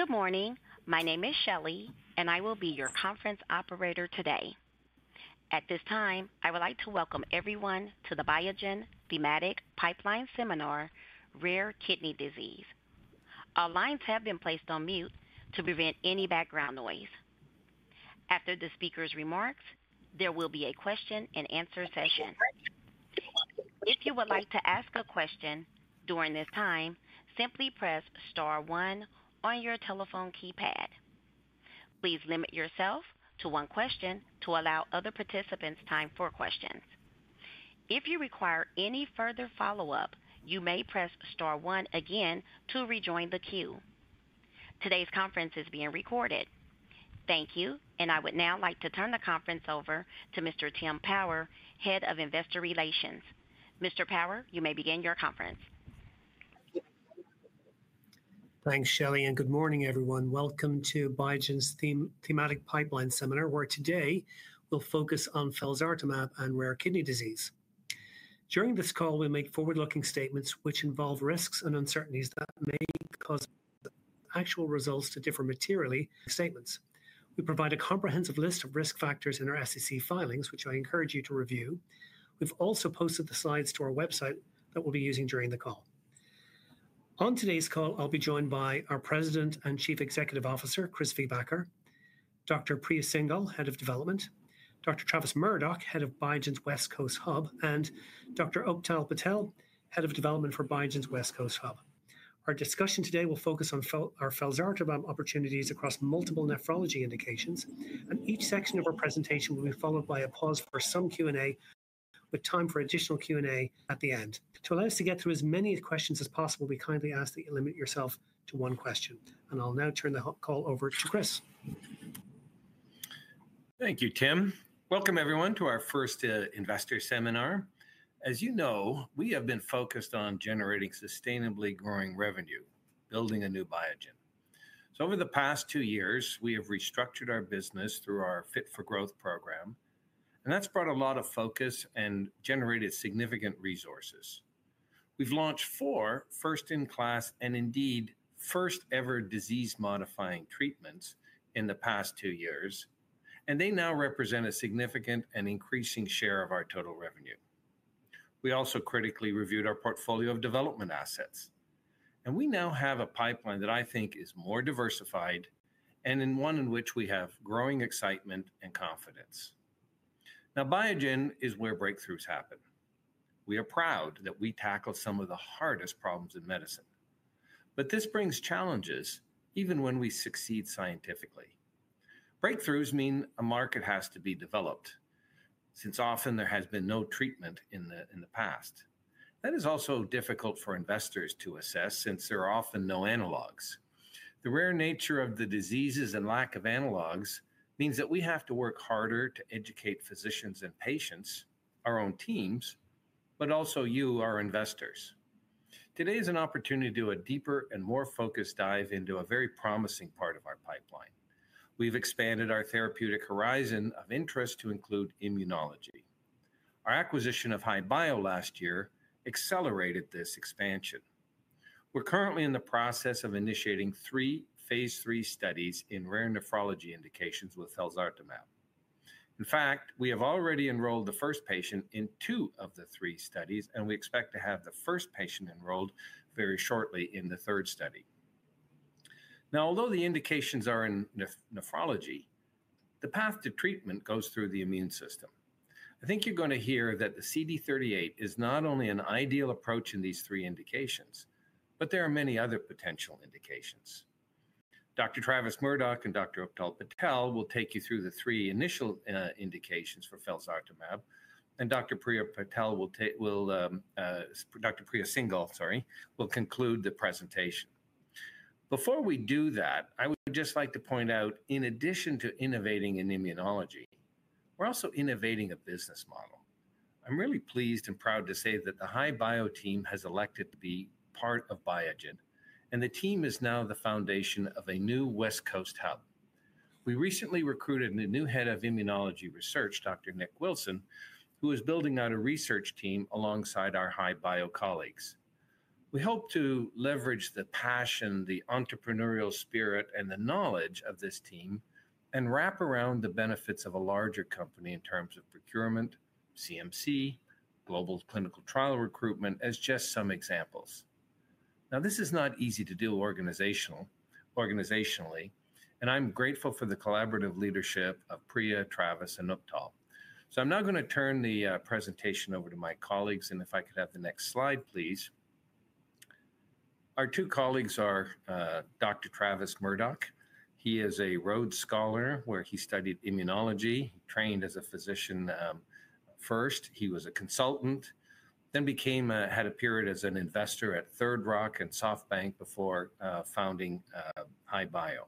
Good morning. My name is Shelley, and I will be your conference operator today. At this time, I would like to welcome everyone to the Biogen Thematic Pipeline Seminar, Rare Kidney Disease. All lines have been placed on mute to prevent any background noise. After the speaker's remarks, there will be a question-and-answer session. If you would like to ask a question during this time, simply press star one on your telephone keypad. Please limit yourself to one question to allow other participants time for questions. If you require any further follow-up, you may press star one again to rejoin the queue. Today's conference is being recorded. Thank you, and I would now like to turn the conference over to Mr. Tim Power, Head of Investor Relations. Mr. Power, you may begin your conference. Thanks, Shelley, and good morning, everyone. Welcome to Biogen's Thematic Pipeline Seminar, where today we'll focus on felzartamab and rare kidney disease. During this call, we make forward-looking statements which involve risks and uncertainties that may cause actual results to differ materially. We provide a comprehensive list of risk factors in our SEC filings, which I encourage you to review. We've also posted the slides to our website that we'll be using during the call. On today's call, I'll be joined by our President and Chief Executive Officer, Chris Viehbacher, Dr. Priya Singhal, Head of Development, Dr. Travis Murdoch, Head of Biogen's West Coast Hub, and Dr. Uptal Patel, Head of Development for Biogen's West Coast Hub. Our discussion today will focus on our felzartamab opportunities across multiple nephrology indications, and each section of our presentation will be followed by a pause for some Q&A, with time for additional Q&A at the end. To allow us to get through as many questions as possible, we kindly ask that you limit yourself to one question, and I'll now turn the call over to Chris. Thank you, Tim. Welcome, everyone, to our first investor seminar. As you know, we have been focused on generating sustainably growing revenue, building a new Biogen. Over the past two years, we have restructured our business through our Fit for Growth program, and that has brought a lot of focus and generated significant resources. We have launched four first-in-class and indeed first-ever disease-modifying treatments in the past two years, and they now represent a significant and increasing share of our total revenue. We also critically reviewed our portfolio of development assets, and we now have a pipeline that I think is more diversified and one in which we have growing excitement and confidence. Now, Biogen is where breakthroughs happen. We are proud that we tackle some of the hardest problems in medicine, but this brings challenges even when we succeed scientifically. Breakthroughs mean a market has to be developed since often there has been no treatment in the past. That is also difficult for investors to assess since there are often no analogs. The rare nature of the diseases and lack of analogs means that we have to work harder to educate physicians and patients, our own teams, but also you, our investors. Today is an opportunity to do a deeper and more focused dive into a very promising part of our pipeline. We've expanded our therapeutic horizon of interest to include immunology. Our acquisition of HiBio last year accelerated this expansion. We're currently in the process of initiating three phase III studies in rare nephrology indications with felzartamab. In fact, we have already enrolled the first patient in two of the three studies, and we expect to have the first patient enrolled very shortly in the third study. Now, although the indications are in nephrology, the path to treatment goes through the immune system. I think you're going to hear that the CD38 is not only an ideal approach in these three indications, but there are many other potential indications. Dr. Travis Murdoch and Dr. Uptal Patel will take you through the three initial indications for felzartamab, and Dr. Priya Singhal, sorry, will conclude the presentation. Before we do that, I would just like to point out, in addition to innovating in immunology, we're also innovating a business model. I'm really pleased and proud to say that the HiBio team has elected to be part of Biogen, and the team is now the foundation of a new West Coast Hub. We recently recruited a new head of immunology research, Dr. Nick Wilson, who is building out a research team alongside our HiBio colleagues. We hope to leverage the passion, the entrepreneurial spirit, and the knowledge of this team and wrap around the benefits of a larger company in terms of procurement, CMC, global clinical trial recruitment, as just some examples. Now, this is not easy to do organizationally, and I'm grateful for the collaborative leadership of Priya, Travis, and Uptal. I am now going to turn the presentation over to my colleagues, and if I could have the next slide, please. Our two colleagues are Dr. Travis Murdoch. He is a Rhodes Scholar, where he studied immunology. He trained as a physician first. He was a consultant, then had a period as an investor at Third Rock and SoftBank before founding HiBio.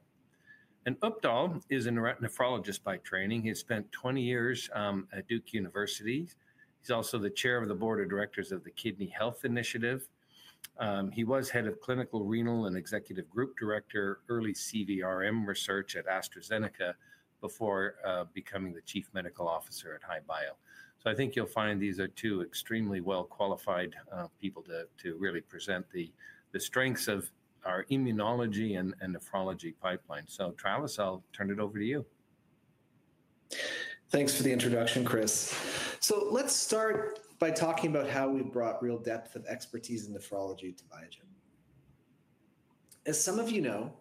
Uptal is a nephrologist by training. He has spent 20 years at Duke University. He is also the chair of the board of directors of the Kidney Health Initiative. He was Head of Clinical Renal and Executive Group Director, Early CVRM Research at AstraZeneca before becoming the Chief Medical Officer at HiBio. I think you'll find these are two extremely well-qualified people to really present the strengths of our immunology and nephrology pipeline. Travis, I'll turn it over to you. Thanks for the introduction, Chris. Let's start by talking about how we've brought real depth of expertise in nephrology to Biogen. As some of you know,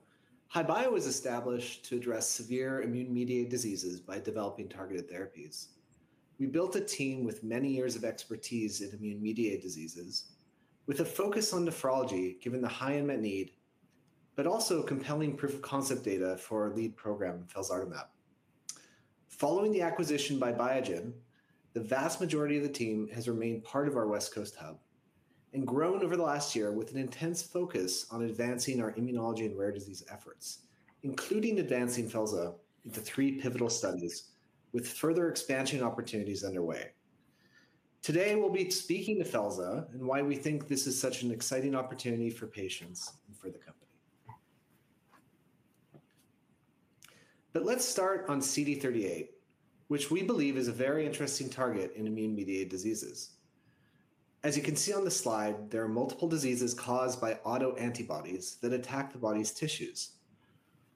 HiBio was established to address severe immune-mediated diseases by developing targeted therapies. We built a team with many years of expertise in immune-mediated diseases, with a focus on nephrology given the high unmet need, but also compelling proof of concept data for our lead program, felzartamab. Following the acquisition by Biogen, the vast majority of the team has remained part of our West Coast Hub and grown over the last year with an intense focus on advancing our immunology and rare disease efforts, including advancing felzartamab into three pivotal studies with further expansion opportunities underway. Today, we'll be speaking to felzartamab and why we think this is such an exciting opportunity for patients and for the company. Let's start on CD38, which we believe is a very interesting target in immune-mediated diseases. As you can see on the slide, there are multiple diseases caused by autoantibodies that attack the body's tissues.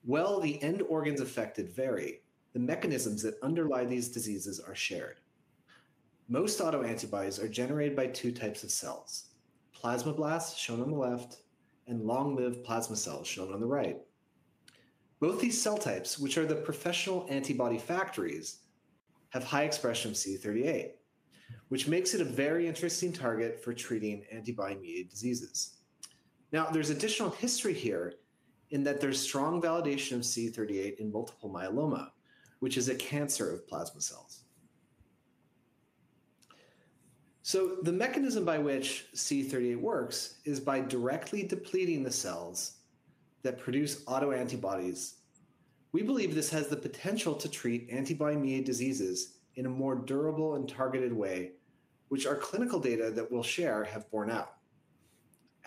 While the end organs affected vary, the mechanisms that underlie these diseases are shared. Most autoantibodies are generated by two types of cells, plasmablasts shown on the left and long-lived plasma cells shown on the right. Both these cell types, which are the professional antibody factories, have high expression of CD38, which makes it a very interesting target for treating antibody-mediated diseases. Now, there's additional history here in that there's strong validation of CD38 in multiple myeloma, which is a cancer of plasma cells. The mechanism by which CD38 works is by directly depleting the cells that produce autoantibodies. We believe this has the potential to treat antibody-mediated diseases in a more durable and targeted way, which our clinical data that we'll share have borne out.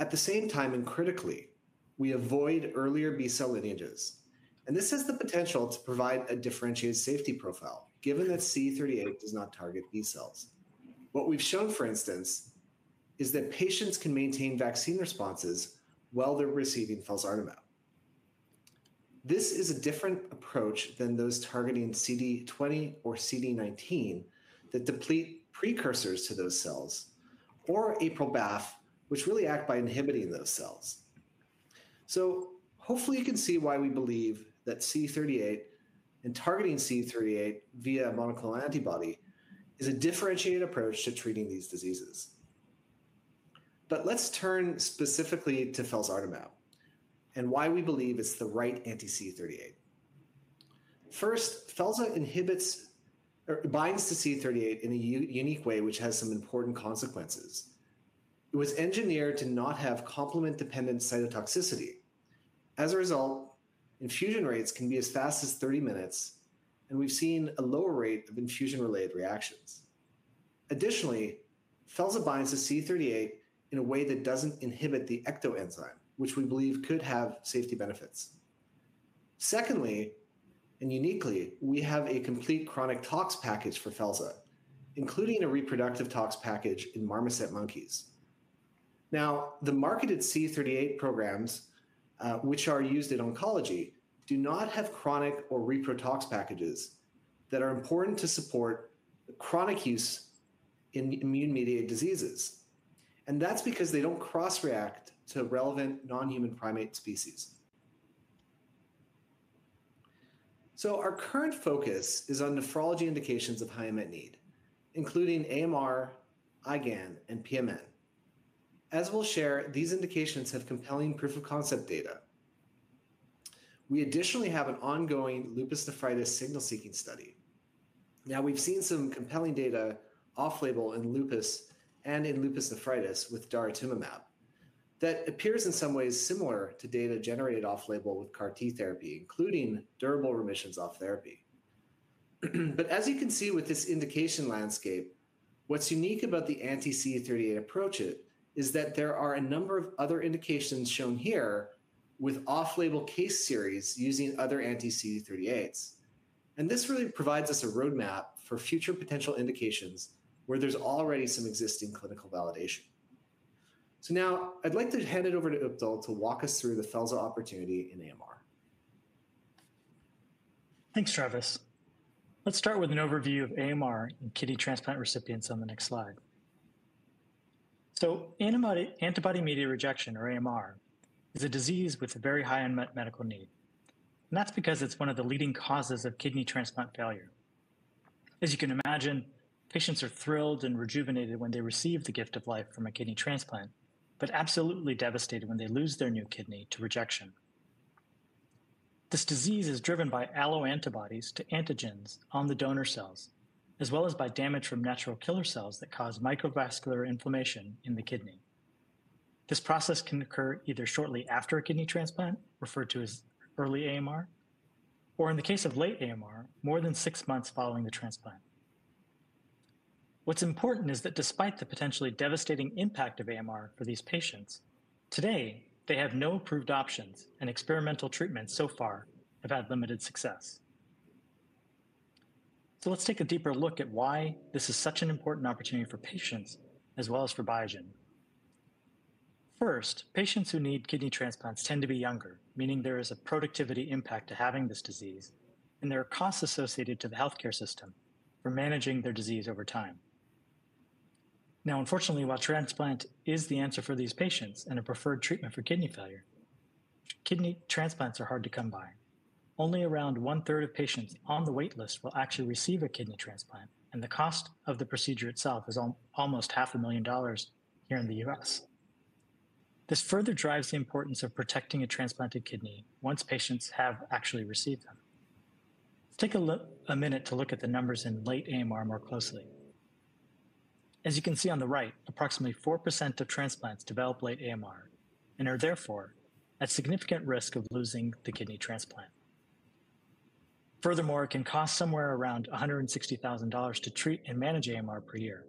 At the same time, and critically, we avoid earlier B cell lineages, and this has the potential to provide a differentiated safety profile, given that CD38 does not target B cells. What we've shown, for instance, is that patients can maintain vaccine responses while they're receiving felzartamab. This is a different approach than those targeting CD20 or CD19 that deplete precursors to those cells or April, which really act by inhibiting those cells. Hopefully, you can see why we believe that CD38 and targeting CD38 via a monoclonal antibody is a differentiated approach to treating these diseases. Let's turn specifically to felzartamab and why we believe it's the right anti-CD38. First, felzartamab binds to CD38 in a unique way, which has some important consequences. It was engineered to not have complement-dependent cytotoxicity. As a result, infusion rates can be as fast as 30 minutes, and we've seen a lower rate of infusion-related reactions. Additionally, felzartamab binds to CD38 in a way that doesn't inhibit the ecto-enzyme, which we believe could have safety benefits. Secondly, and uniquely, we have a complete chronic tox package for felzartamab, including a reproductive tox package in marmoset monkeys. Now, the marketed CD38 programs, which are used in oncology, do not have chronic or repro tox packages that are important to support chronic use in immune-mediated diseases, and that's because they don't cross-react to relevant non-human primate species. Our current focus is on nephrology indications of high unmet need, including AMR, IgAN, and PMN. As we'll share, these indications have compelling proof of concept data. We additionally have an ongoing lupus nephritis signal-seeking study. Now, we've seen some compelling data off-label in lupus and in lupus nephritis with daratumumab that appears in some ways similar to data generated off-label with CAR-T therapy, including durable remissions off therapy. As you can see with this indication landscape, what's unique about the anti-CD38 approach is that there are a number of other indications shown here with off-label case series using other anti-CD38s, and this really provides us a roadmap for future potential indications where there's already some existing clinical validation. Now, I'd like to hand it over to Uptal to walk us through the felzartamab opportunity in AMR. Thanks, Travis. Let's start with an overview of AMR in kidney transplant recipients on the next slide. Antibody-mediated rejection, or AMR, is a disease with a very high unmet medical need, and that's because it's one of the leading causes of kidney transplant failure. As you can imagine, patients are thrilled and rejuvenated when they receive the gift of life from a kidney transplant, but absolutely devastated when they lose their new kidney to rejection. This disease is driven by alloantibodies to antigens on the donor cells, as well as by damage from natural killer cells that cause microvascular inflammation in the kidney. This process can occur either shortly after a kidney transplant, referred to as early AMR, or in the case of late AMR, more than six months following the transplant. What's important is that despite the potentially devastating impact of AMR for these patients, today, they have no approved options, and experimental treatments so far have had limited success. Let's take a deeper look at why this is such an important opportunity for patients as well as for Biogen. First, patients who need kidney transplants tend to be younger, meaning there is a productivity impact to having this disease, and there are costs associated to the healthcare system for managing their disease over time. Now, unfortunately, while transplant is the answer for these patients and a preferred treatment for kidney failure, kidney transplants are hard to come by. Only around 1/3 of patients on the waitlist will actually receive a kidney transplant, and the cost of the procedure itself is almost $500,000 here in the U.S. This further drives the importance of protecting a transplanted kidney once patients have actually received them. Let's take a minute to look at the numbers in late AMR more closely. As you can see on the right, approximately 4% of transplants develop late AMR and are therefore at significant risk of losing the kidney transplant. Furthermore, it can cost somewhere around $160,000 to treat and manage AMR per year.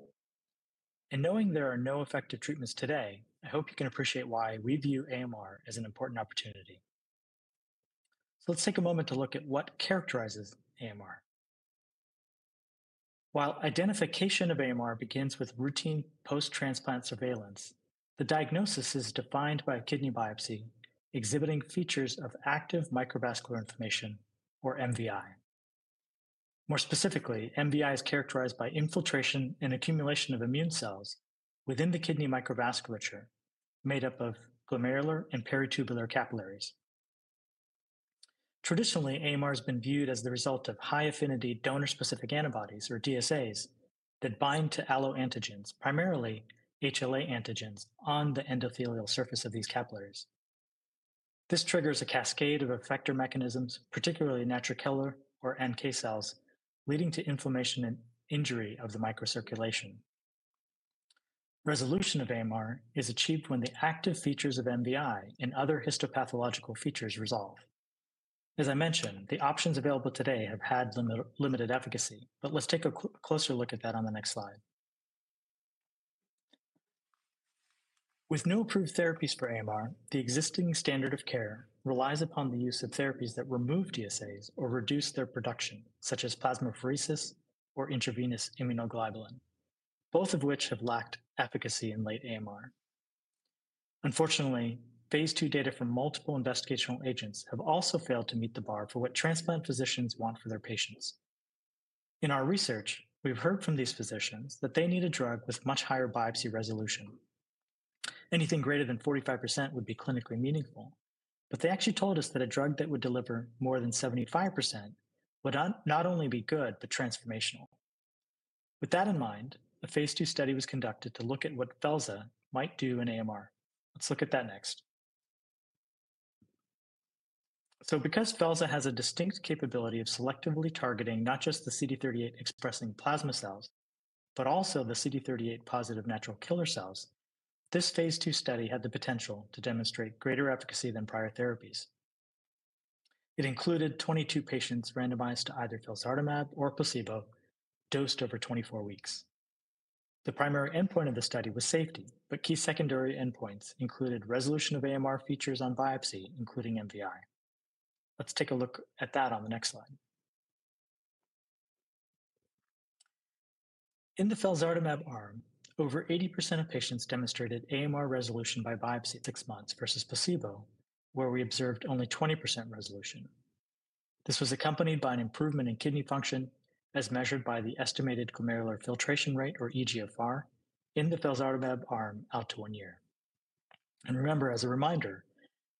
Knowing there are no effective treatments today, I hope you can appreciate why we view AMR as an important opportunity. Let's take a moment to look at what characterizes AMR. While identification of AMR begins with routine post-transplant surveillance, the diagnosis is defined by a kidney biopsy exhibiting features of active microvascular inflammation, or MVI. More specifically, MVI is characterized by infiltration and accumulation of immune cells within the kidney microvasculature made up of glomerular and peritubular capillaries. Traditionally, AMR has been viewed as the result of high affinity donor-specific antibodies, or DSAs, that bind to alloantigens, primarily HLA antigens, on the endothelial surface of these capillaries. This triggers a cascade of effector mechanisms, particularly natural killer, or NK cells, leading to inflammation and injury of the microcirculation. Resolution of AMR is achieved when the active features of MVI and other histopathological features resolve. As I mentioned, the options available today have had limited efficacy, but let's take a closer look at that on the next slide. With no approved therapies for AMR, the existing standard of care relies upon the use of therapies that remove DSAs or reduce their production, such as plasmapheresis or intravenous immunoglobulin, both of which have lacked efficacy in late AMR. Unfortunately, phase two data from multiple investigational agents have also failed to meet the bar for what transplant physicians want for their patients. In our research, we've heard from these physicians that they need a drug with much higher biopsy resolution. Anything greater than 45% would be clinically meaningful, but they actually told us that a drug that would deliver more than 75% would not only be good, but transformational. With that in mind, a phase II study was conducted to look at what felzartamab might do in AMR. Let's look at that next. Because felzartamab has a distinct capability of selectively targeting not just the CD38-expressing plasma cells, but also the CD38-positive natural killer cells, this phase II study had the potential to demonstrate greater efficacy than prior therapies. It included 22 patients randomized to either felzartamab or placebo dosed over 24 weeks. The primary endpoint of the study was safety, but key secondary endpoints included resolution of AMR features on biopsy, including MVI. Let's take a look at that on the next slide. In the felzartamab arm, over 80% of patients demonstrated AMR resolution by biopsy. Six months versus placebo, where we observed only 20% resolution. This was accompanied by an improvement in kidney function, as measured by the estimated glomerular filtration rate, or eGFR, in the felzartamab arm out to one year. As a reminder,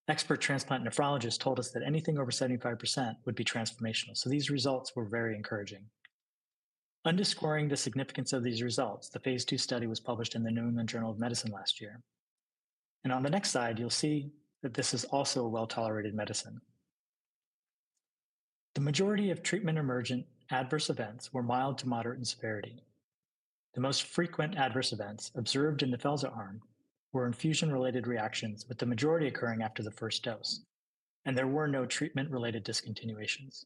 expert transplant nephrologists told us that anything over 75% would be transformational, so these results were very encouraging. Underscoring the significance of these results, the phase II study was published in the New England Journal of Medicine last year. On the next slide, you'll see that this is also a well-tolerated medicine. The majority of treatment-emergent adverse events were mild to moderate in severity. The most frequent adverse events observed in the felzartamab arm were infusion-related reactions, with the majority occurring after the first dose, and there were no treatment-related discontinuations.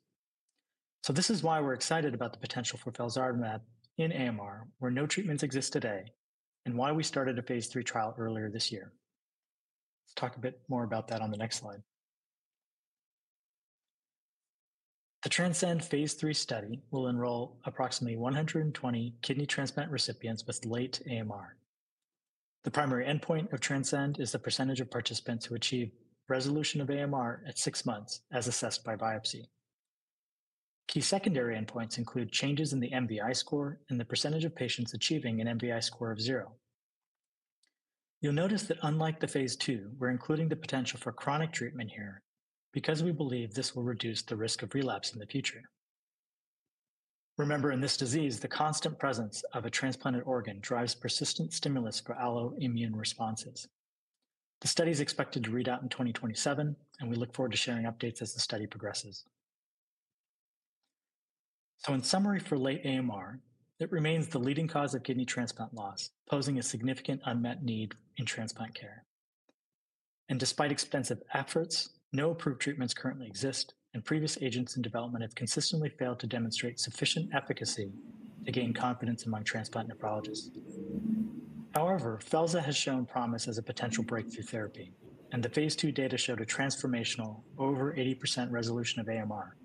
This is why we're excited about the potential for felzartamab in AMR, where no treatments exist today, and why we started a phase III trial earlier this year. Let's talk a bit more about that on the next slide. The Transcend phase III study will enroll approximately 120 kidney transplant recipients with late AMR. The primary endpoint of Transcend is the percentage of participants who achieve resolution of AMR at six months, as assessed by biopsy. Key secondary endpoints include changes in the MVI score and the percentage of patients achieving an MVI score of zero. You'll notice that unlike the phase II, we're including the potential for chronic treatment here because we believe this will reduce the risk of relapse in the future. Remember, in this disease, the constant presence of a transplanted organ drives persistent stimulus for alloimmune responses. The study is expected to read out in 2027, and we look forward to sharing updates as the study progresses. In summary for late AMR, it remains the leading cause of kidney transplant loss, posing a significant unmet need in transplant care. Despite extensive efforts, no approved treatments currently exist, and previous agents in development have consistently failed to demonstrate sufficient efficacy to gain confidence among transplant nephrologists. However, felzartamab has shown promise as a potential breakthrough therapy, and the phase II data showed a transformational over 80% resolution of AMR,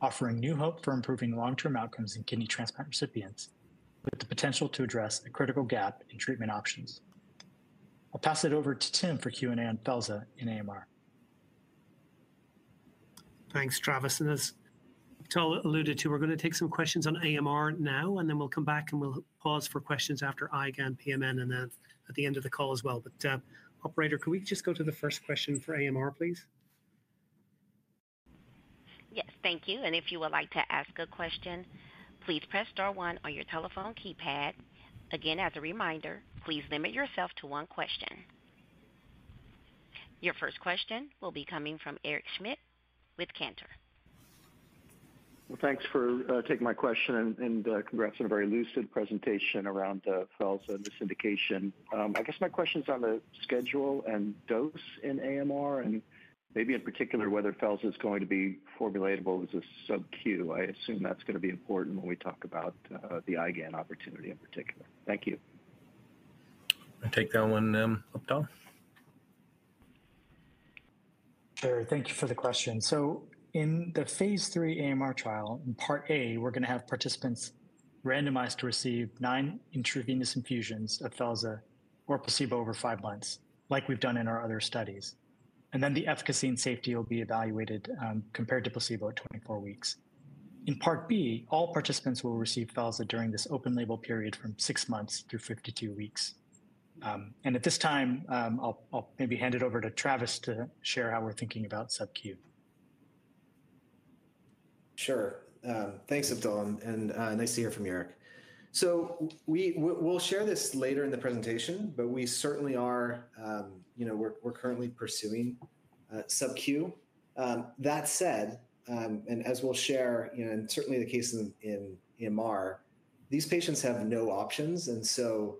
offering new hope for improving long-term outcomes in kidney transplant recipients with the potential to address a critical gap in treatment options. I'll pass it over to Tim for Q&A on felzartamab in AMR. Thanks, Travis. As Uptal alluded to, we're going to take some questions on AMR now, and then we'll come back and we'll pause for questions after IgAN, PMN, and then at the end of the call as well. Operator, could we just go to the first question for AMR, please? Yes, thank you. If you would like to ask a question, please press star one on your telephone keypad. Again, as a reminder, please limit yourself to one question. Your first question will be coming from Eric Schmidt with Cantor. Thanks for taking my question and congrats on a very lucid presentation around the felzartamab and this indication. I guess my question's on the schedule and dose in AMR and maybe in particular whether felzartamab is going to be formulated as a sub-Q. I assume that's going to be important when we talk about the IgAN opportunity in particular. Thank you. I'll take that one, Uptal. Sure. Thank you for the question. In the phase III AMR trial, in part A, we're going to have participants randomized to receive nine intravenous infusions of felzartamab or placebo over five months, like we've done in our other studies. The efficacy and safety will be evaluated compared to placebo at 24 weeks. In part B, all participants will receive felzartamab during this open label period from six months through 52 weeks. At this time, I'll maybe hand it over to Travis to share how we're thinking about sub-Q. Sure. Thanks, Uptal, and nice to hear from Eric. We will share this later in the presentation, but we certainly are, you know, we're currently pursuing sub-Q. That said, and as we'll share, you know, and certainly the case in AMR, these patients have no options. You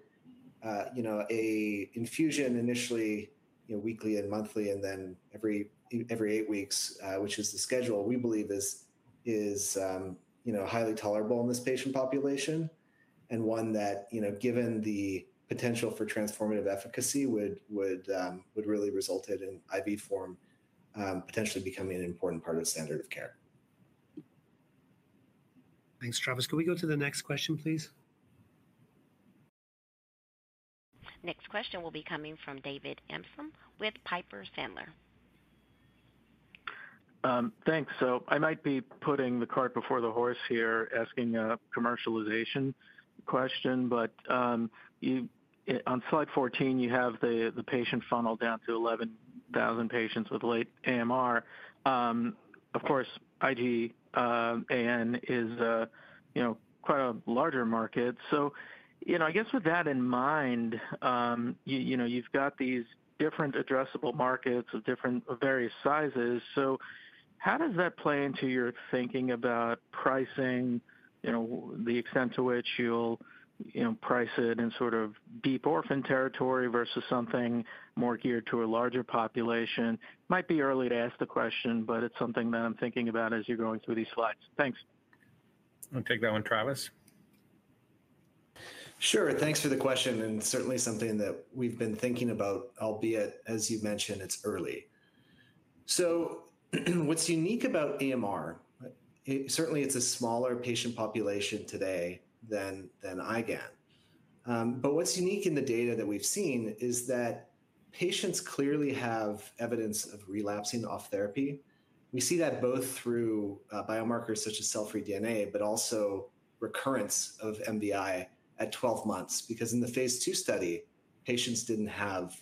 know, an infusion initially, you know, weekly and monthly, and then every eight weeks, which is the schedule, we believe is, you know, highly tolerable in this patient population and one that, you know, given the potential for transformative efficacy, would really result in IV form potentially becoming an important part of standard of care. Thanks, Travis. Could we go to the next question, please? Next question will be coming from David Amsellem with Piper Sandler. Thanks. I might be putting the cart before the horse here, asking a commercialization question, but on slide 14, you have the patient funnel down to 11,000 patients with late AMR. Of course, IgAN is, you know, quite a larger market. You know, I guess with that in mind, you know, you have these different addressable markets of different various sizes. How does that play into your thinking about pricing, you know, the extent to which you will, you know, price it in sort of deep orphan territory versus something more geared to a larger population? Might be early to ask the question, but it is something that I am thinking about as you are going through these slides. Thanks. I'll take that one, Travis. Sure. Thanks for the question, and certainly something that we've been thinking about, albeit, as you've mentioned, it's early. What's unique about AMR? Certainly, it's a smaller patient population today than IgAN. What's unique in the data that we've seen is that patients clearly have evidence of relapsing off therapy. We see that both through biomarkers such as cell-free DNA, but also recurrence of MVI at 12 months, because in the phase II study, patients didn't have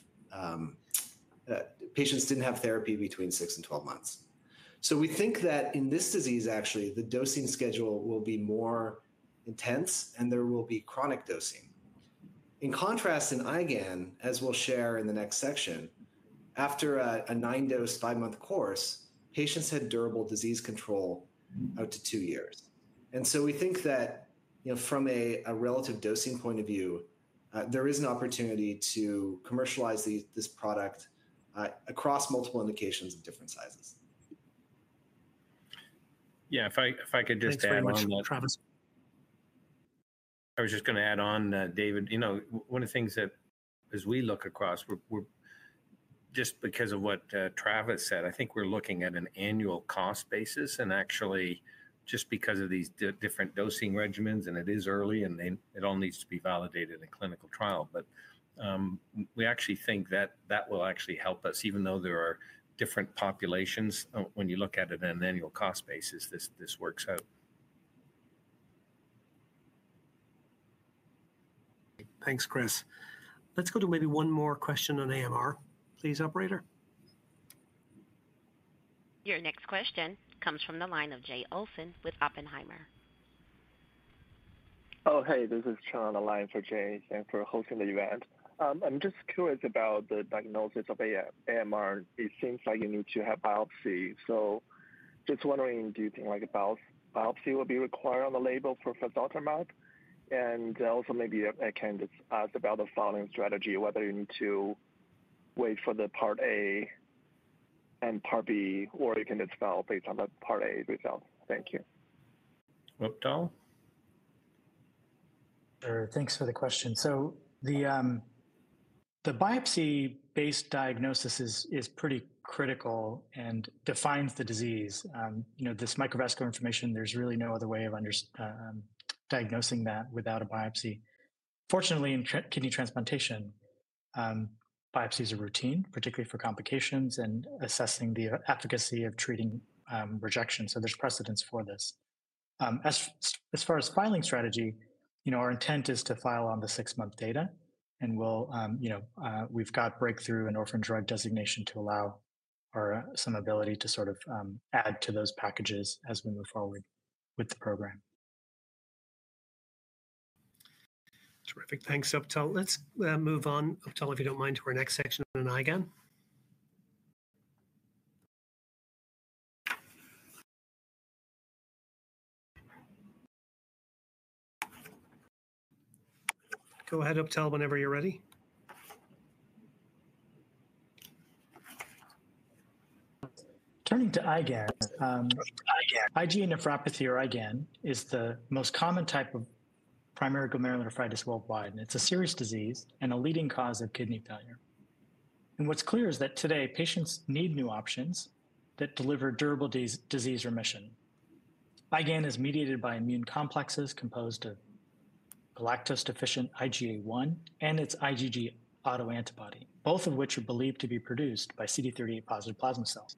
therapy between six and 12 months. We think that in this disease, actually, the dosing schedule will be more intense, and there will be chronic dosing. In contrast, in IgAN, as we'll share in the next section, after a nine-dose, five-month course, patients had durable disease control out to two years. We think that, you know, from a relative dosing point of view, there is an opportunity to commercialize this product across multiple indications of different sizes. Yeah, if I could just add on. Thanks very much, Travis. I was just going to add on, David, you know, one of the things that, as we look across, we're just because of what Travis said, I think we're looking at an annual cost basis. Actually, just because of these different dosing regimens, and it is early, and it all needs to be validated in clinical trial, but we actually think that that will actually help us, even though there are different populations. When you look at it in an annual cost basis, this works out. Thanks, Chris. Let's go to maybe one more question on AMR, please, Operator. Your next question comes from the line of Jay Olson with Oppenheimer. Oh, hey, this is Sean on the line for Jay and for hosting the event. I'm just curious about the diagnosis of AMR. It seems like you need to have biopsy. Just wondering, do you think like a biopsy will be required on the label for felzartamab? Also, maybe I can just ask about the following strategy, whether you need to wait for the part A and part B, or you can just follow based on the part A result. Thank you. Uptal. Sure. Thanks for the question. The biopsy-based diagnosis is pretty critical and defines the disease. You know, this microvascular inflammation, there's really no other way of diagnosing that without a biopsy. Fortunately, in kidney transplantation, biopsies are routine, particularly for complications and assessing the efficacy of treating rejection. There's precedence for this. As far as filing strategy, you know, our intent is to file on the six-month data, and we'll, you know, we've got breakthrough and orphan drug designation to allow some ability to sort of add to those packages as we move forward with the program. Terrific. Thanks, Uptal. Let's move on, Uptal, if you don't mind, to our next section on IgAN. Go ahead, Uptal, whenever you're ready. Turning to IgAN. IgAN. IgA nephropathy or IgAN is the most common type of primary glomerulonephritis worldwide, and it's a serious disease and a leading cause of kidney failure. What's clear is that today, patients need new options that deliver durable disease remission. IgAN is mediated by immune complexes composed of galactose-deficient IgA1 and its IgG autoantibody, both of which are believed to be produced by CD38-positive plasma cells.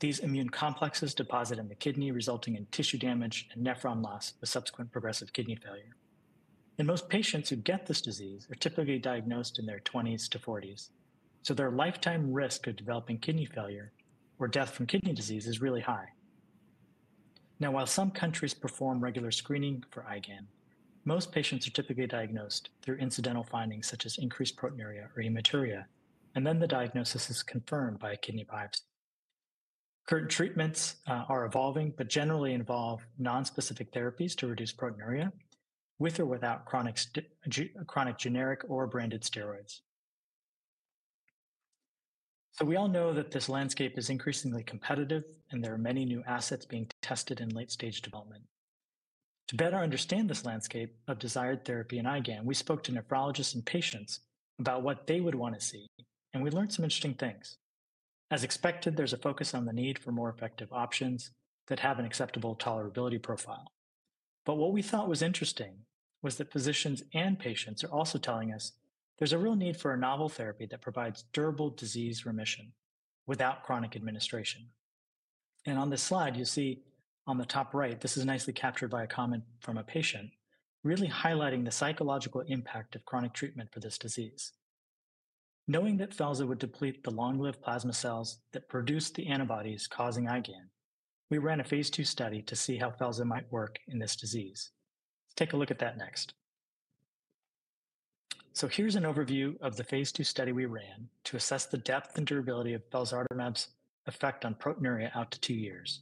These immune complexes deposit in the kidney, resulting in tissue damage and nephron loss with subsequent progressive kidney failure. Most patients who get this disease are typically diagnosed in their 20s-40s. Their lifetime risk of developing kidney failure or death from kidney disease is really high. Now, while some countries perform regular screening for IgAN, most patients are typically diagnosed through incidental findings such as increased proteinuria or hematuria, and then the diagnosis is confirmed by a kidney biopsy. Current treatments are evolving, but generally involve nonspecific therapies to reduce proteinuria with or without chronic generic or branded steroids. We all know that this landscape is increasingly competitive, and there are many new assets being tested in late-stage development. To better understand this landscape of desired therapy and IgAN, we spoke to nephrologists and patients about what they would want to see, and we learned some interesting things. As expected, there's a focus on the need for more effective options that have an acceptable tolerability profile. What we thought was interesting was that physicians and patients are also telling us there's a real need for a novel therapy that provides durable disease remission without chronic administration. On this slide, you'll see on the top right, this is nicely captured by a comment from a patient, really highlighting the psychological impact of chronic treatment for this disease. Knowing that felzartamab would deplete the long-lived plasma cells that produce the antibodies causing IgAN, we ran a phase II study to see how felzartamab might work in this disease. Let's take a look at that next. Here's an overview of the phase II study we ran to assess the depth and durability of felzartamab or MEPS effect on proteinuria out to two years.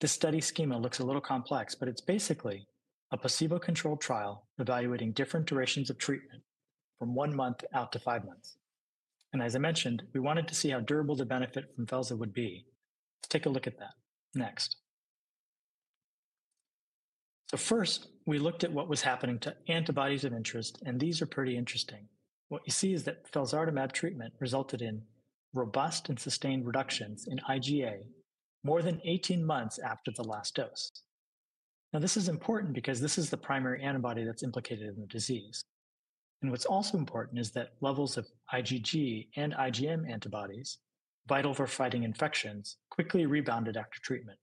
This study schema looks a little complex, but it's basically a placebo-controlled trial evaluating different durations of treatment from one month out to five months. As I mentioned, we wanted to see how durable the benefit from felzartamab would be. Let's take a look at that next. First, we looked at what was happening to antibodies of interest, and these are pretty interesting. What you see is that felzartamab or MAPS treatment resulted in robust and sustained reductions in IgA more than 18 months after the last dose. This is important because this is the primary antibody that's implicated in the disease. What's also important is that levels of IgG and IgM antibodies, vital for fighting infections, quickly rebounded after treatment.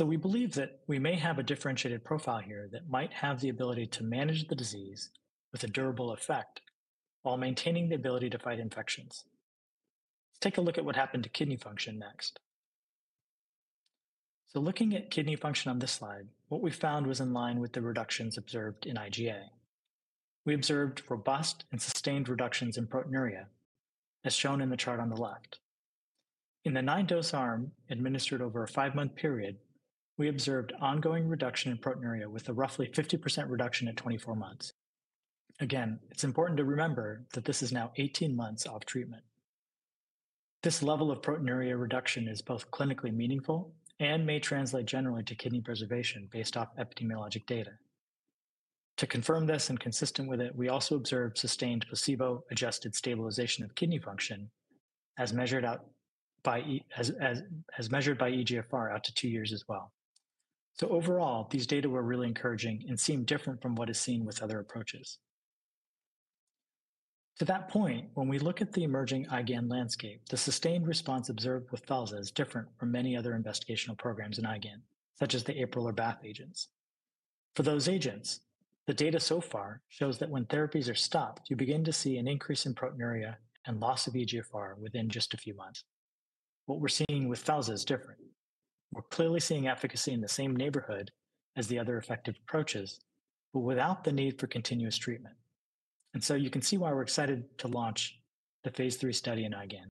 We believe that we may have a differentiated profile here that might have the ability to manage the disease with a durable effect while maintaining the ability to fight infections. Let's take a look at what happened to kidney function next. Looking at kidney function on this slide, what we found was in line with the reductions observed in IgA. We observed robust and sustained reductions in proteinuria, as shown in the chart on the left. In the nine-dose arm administered over a five-month period, we observed ongoing reduction in proteinuria with a roughly 50% reduction at 24 months. Again, it's important to remember that this is now 18 months off treatment. This level of proteinuria reduction is both clinically meaningful and may translate generally to kidney preservation based off epidemiologic data. To confirm this and consistent with it, we also observed sustained placebo-adjusted stabilization of kidney function as measured by eGFR out to two years as well. Overall, these data were really encouraging and seemed different from what is seen with other approaches. To that point, when we look at the emerging IgAN landscape, the sustained response observed with felzartamab is different from many other investigational programs in IgAN, such as the April or BAFF agents. For those agents, the data so far shows that when therapies are stopped, you begin to see an increase in proteinuria and loss of eGFR within just a few months. What we're seeing with felzartamab is different. We're clearly seeing efficacy in the same neighborhood as the other effective approaches, but without the need for continuous treatment. You can see why we're excited to launch the phase III study in IgAN.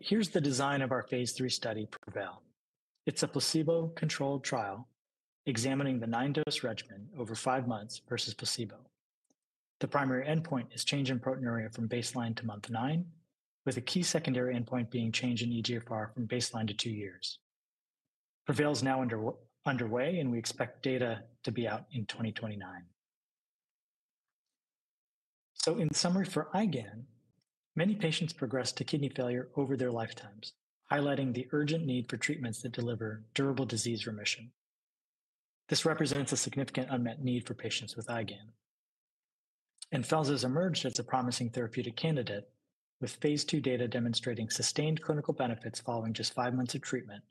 Here's the design of our phase III study for Prevail. It's a placebo-controlled trial examining the nine-dose regimen over five months versus placebo. The primary endpoint is change in proteinuria from baseline to month nine, with a key secondary endpoint being change in eGFR from baseline to two years. Prevail's now underway, and we expect data to be out in 2029. In summary for IgAN, many patients progress to kidney failure over their lifetimes, highlighting the urgent need for treatments that deliver durable disease remission. This represents a significant unmet need for patients with IgAN. Felzartamab has emerged as a promising therapeutic candidate, with phase II data demonstrating sustained clinical benefits following just five months of treatment,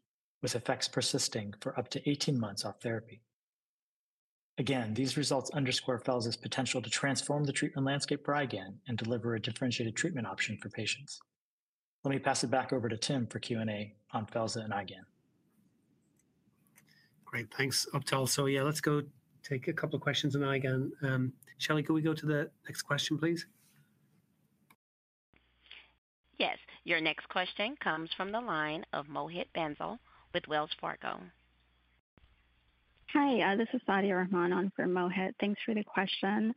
with effects persisting for up to 18 months off therapy. Again, these results underscore felzartamab's potential to transform the treatment landscape for IgAN and deliver a differentiated treatment option for patients. Let me pass it back over to Tim for Q&A on felzartamab and IgAN. Great. Thanks, Uptal. So, yeah, let's go take a couple of questions on IgAN. Shelley, can we go to the next question, please? Yes. Your next question comes from the line of Mohit Bansal with Wells Fargo. Hi, this is Sadia Rahman from Mohit. Thanks for the question.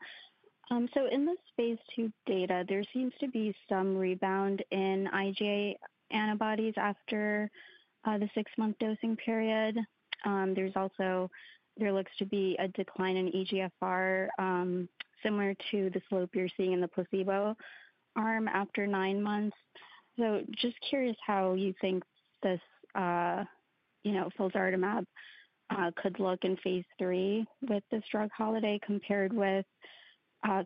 In this phase II data, there seems to be some rebound in IgA antibodies after the six-month dosing period. There also looks to be a decline in eGFR, similar to the slope you're seeing in the placebo arm after nine months. Just curious how you think this, you know, felzartamab or MEPS could look in phase III with this drug holiday compared with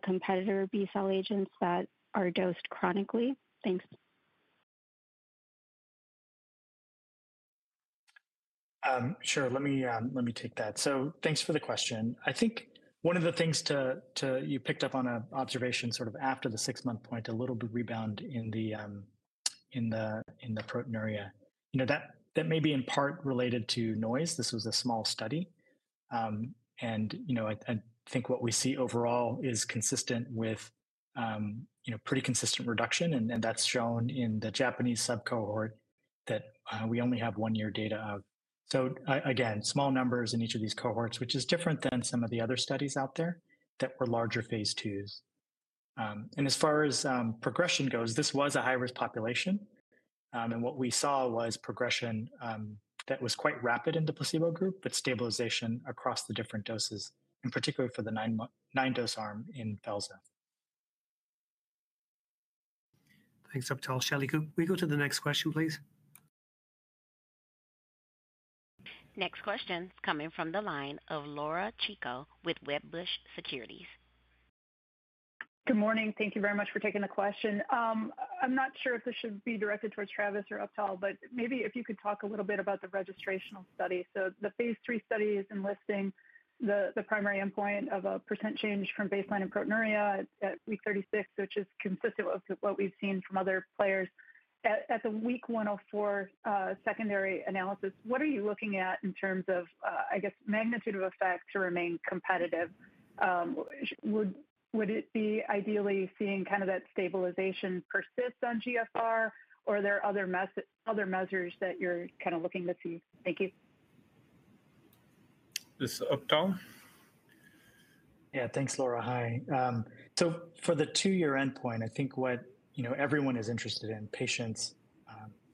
competitor B-cell agents that are dosed chronically. Thanks. Sure. Let me take that. Thanks for the question. I think one of the things to, you picked up on an observation sort of after the six-month point, a little bit of rebound in the proteinuria. You know, that may be in part related to noise. This was a small study. You know, I think what we see overall is consistent with, you know, pretty consistent reduction. That is shown in the Japanese subcohort that we only have one-year data of. Again, small numbers in each of these cohorts, which is different than some of the other studies out there that were larger phase II. As far as progression goes, this was a high-risk population. What we saw was progression that was quite rapid in the placebo group, but stabilization across the different doses, in particular for the nine-dose arm in felzartamab. Thanks, Uptal. Shelley, can we go to the next question, please? Next question coming from the line of Laura Chico with Wedbush Securities. Good morning. Thank you very much for taking the question. I'm not sure if this should be directed towards Travis or Uptal, but maybe if you could talk a little bit about the registrational study. The phase III study is enlisting the primary endpoint of a % change from baseline in proteinuria at week 36, which is consistent with what we've seen from other players. At the week 104 secondary analysis, what are you looking at in terms of, I guess, magnitude of effect to remain competitive? Would it be ideally seeing kind of that stabilization persist on eGFR, or are there other measures that you're kind of looking to see? Thank you. This is Uptal. Yeah. Thanks, Laura. Hi. For the two-year endpoint, I think what, you know, everyone is interested in, patients,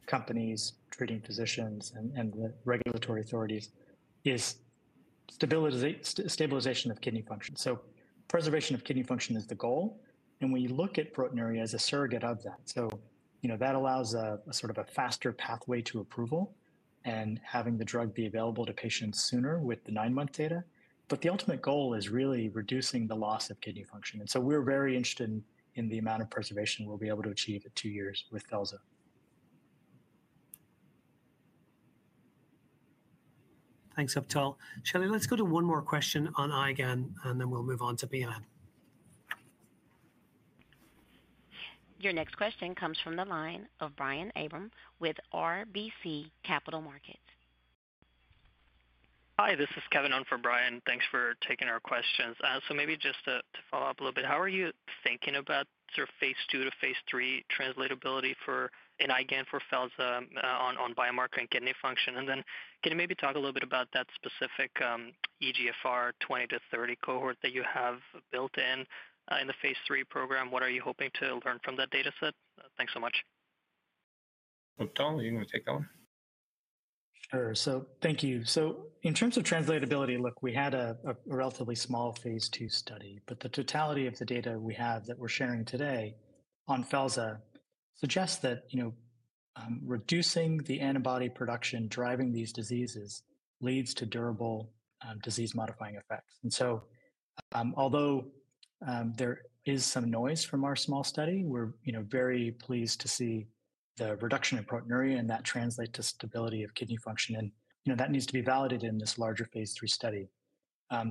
companies, treating physicians, and the regulatory authorities, is stabilization of kidney function. Preservation of kidney function is the goal. When you look at proteinuria as a surrogate of that, you know, that allows a sort of a faster pathway to approval and having the drug be available to patients sooner with the nine-month data. The ultimate goal is really reducing the loss of kidney function. We are very interested in the amount of preservation we'll be able to achieve at two years with felzartamab. Thanks, Uptal. Shelley, let's go to one more question on IgAN, and then we'll move on to Beilan. Your next question comes from the line of Brian Abraham with RBC Capital Markets. Hi, this is Kevin Owen for Brian. Thanks for taking our questions. Maybe just to follow up a little bit, how are you thinking about sort of phase II-phase III translatability for IgAN for felzartamab on biomarker and kidney function? Can you maybe talk a little bit about that specific eGFR 20-30 cohort that you have built in the phase III program? What are you hoping to learn from that dataset? Thanks so much. Uptal, you're going to take that one. Sure. Thank you. In terms of translatability, look, we had a relatively small phase II study, but the totality of the data we have that we're sharing today on felzartamab suggests that, you know, reducing the antibody production driving these diseases leads to durable disease-modifying effects. Although there is some noise from our small study, we're, you know, very pleased to see the reduction in proteinuria and that translate to stability of kidney function. You know, that needs to be validated in this larger phase III study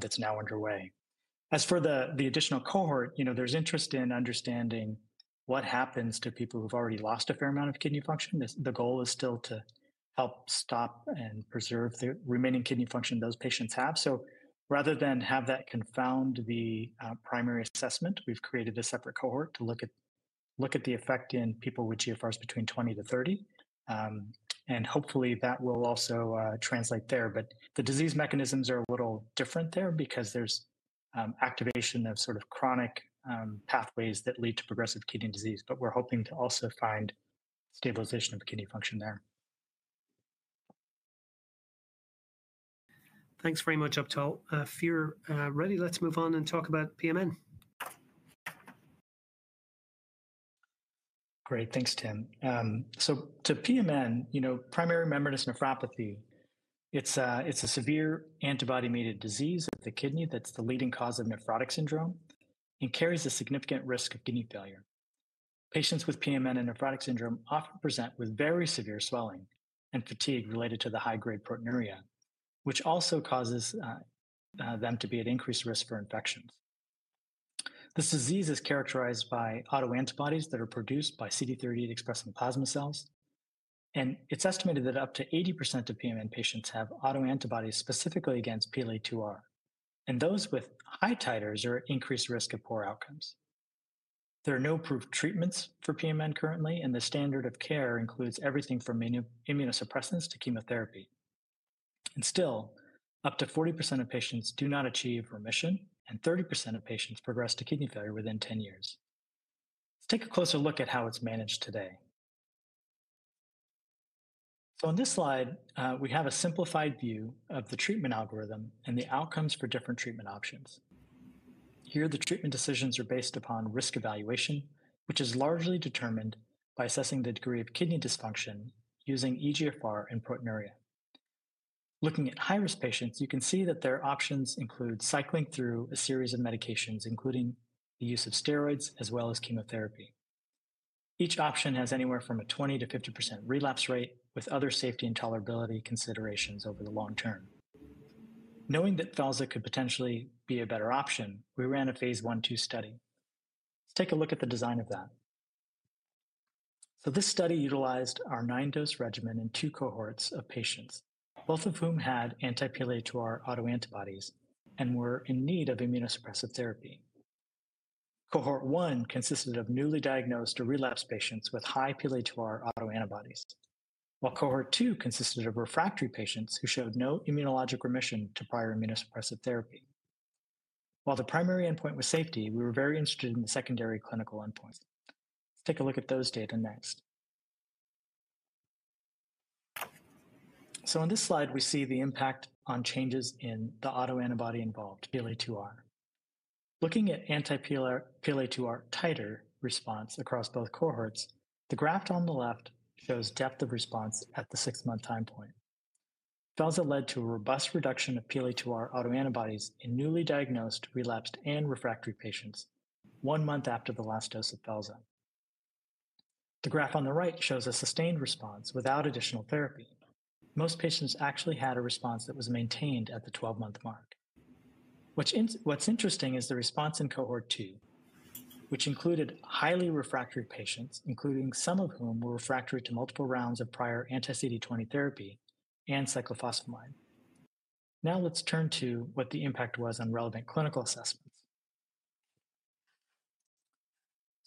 that's now underway. As for the additional cohort, you know, there's interest in understanding what happens to people who've already lost a fair amount of kidney function. The goal is still to help stop and preserve the remaining kidney function those patients have. Rather than have that confound the primary assessment, we've created a separate cohort to look at the effect in people with eGFRs between 20-30. Hopefully, that will also translate there. The disease mechanisms are a little different there because there's activation of sort of chronic pathways that lead to progressive kidney disease. We're hoping to also find stabilization of kidney function there. Thanks very much, Uptal. If you're ready, let's move on and talk about PMN. Great. Thanks, Tim. To PMN, you know, primary membranous nephropathy, it's a severe antibody-mediated disease of the kidney that's the leading cause of nephrotic syndrome and carries a significant risk of kidney failure. Patients with PMN and nephrotic syndrome often present with very severe swelling and fatigue related to the high-grade proteinuria, which also causes them to be at increased risk for infections. This disease is characterized by autoantibodies that are produced by CD38-expressing plasma cells. It's estimated that up to 80% of PMN patients have autoantibodies specifically against PLA2R. Those with high titers are at increased risk of poor outcomes. There are no approved treatments for PMN currently, and the standard of care includes everything from immunosuppressants to chemotherapy. Still, up to 40% of patients do not achieve remission, and 30% of patients progress to kidney failure within 10 years. Let's take a closer look at how it's managed today. On this slide, we have a simplified view of the treatment algorithm and the outcomes for different treatment options. Here, the treatment decisions are based upon risk evaluation, which is largely determined by assessing the degree of kidney dysfunction using eGFR and proteinuria. Looking at high-risk patients, you can see that their options include cycling through a series of medications, including the use of steroids, as well as chemotherapy. Each option has anywhere from a 20-50% relapse rate with other safety and tolerability considerations over the long term. Knowing that felzartamab could potentially be a better option, we ran a phase I two study. Let's take a look at the design of that. This study utilized our nine-dose regimen in two cohorts of patients, both of whom had anti-PLA2R autoantibodies and were in need of immunosuppressive therapy. Cohort one consisted of newly diagnosed or relapsed patients with high PLA2R autoantibodies, while cohort two consisted of refractory patients who showed no immunologic remission to prior immunosuppressive therapy. While the primary endpoint was safety, we were very interested in the secondary clinical endpoints. Let's take a look at those data next. On this slide, we see the impact on changes in the autoantibody involved, PLA2R. Looking at anti-PLA2R titer response across both cohorts, the graph on the left shows depth of response at the six-month time point. Felzartamab led to a robust reduction of PLA2R autoantibodies in newly diagnosed, relapsed, and refractory patients one month after the last dose of Felzartamab. The graph on the right shows a sustained response without additional therapy. Most patients actually had a response that was maintained at the 12-month mark. What's interesting is the response in cohort two, which included highly refractory patients, including some of whom were refractory to multiple rounds of prior anti-CD20 therapy and cyclophosphamide. Now, let's turn to what the impact was on relevant clinical assessments.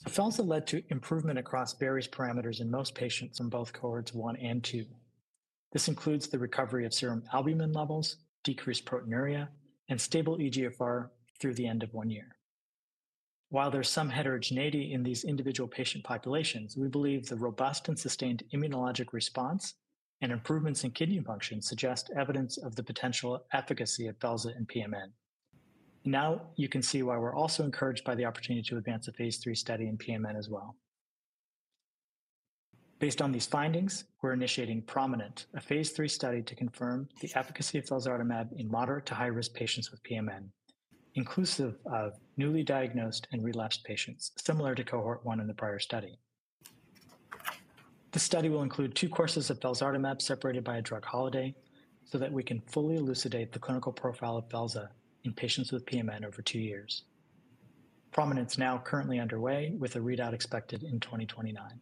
Felzartamab led to improvement across various parameters in most patients in both cohorts one and two. This includes the recovery of serum albumin levels, decreased proteinuria, and stable eGFR through the end of one year. While there's some heterogeneity in these individual patient populations, we believe the robust and sustained immunologic response and improvements in kidney function suggest evidence of the potential efficacy of felzartamab in PMN. Now, you can see why we're also encouraged by the opportunity to advance a phase III study in PMN as well. Based on these findings, we're initiating Prominent, a phase III study to confirm the efficacy of felzartamab in moderate to high-risk patients with PMN, inclusive of newly diagnosed and relapsed patients, similar to cohort one in the prior study. This study will include two courses of felzartamab separated by a drug holiday so that we can fully elucidate the clinical profile of felzartamab in patients with PMN over two years. Prominent's now currently underway with a readout expected in 2029.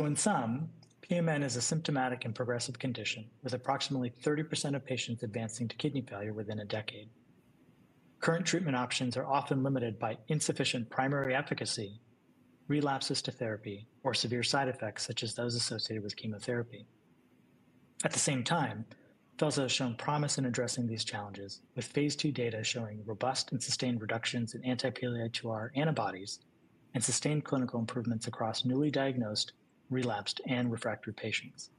In sum, PMN is a symptomatic and progressive condition with approximately 30% of patients advancing to kidney failure within a decade. Current treatment options are often limited by insufficient primary efficacy, relapses to therapy, or severe side effects such as those associated with chemotherapy. At the same time, felzartamab has shown promise in addressing these challenges, with phase II data showing robust and sustained reductions in anti-PLA2R antibodies and sustained clinical improvements across newly diagnosed, relapsed, and refractory patients.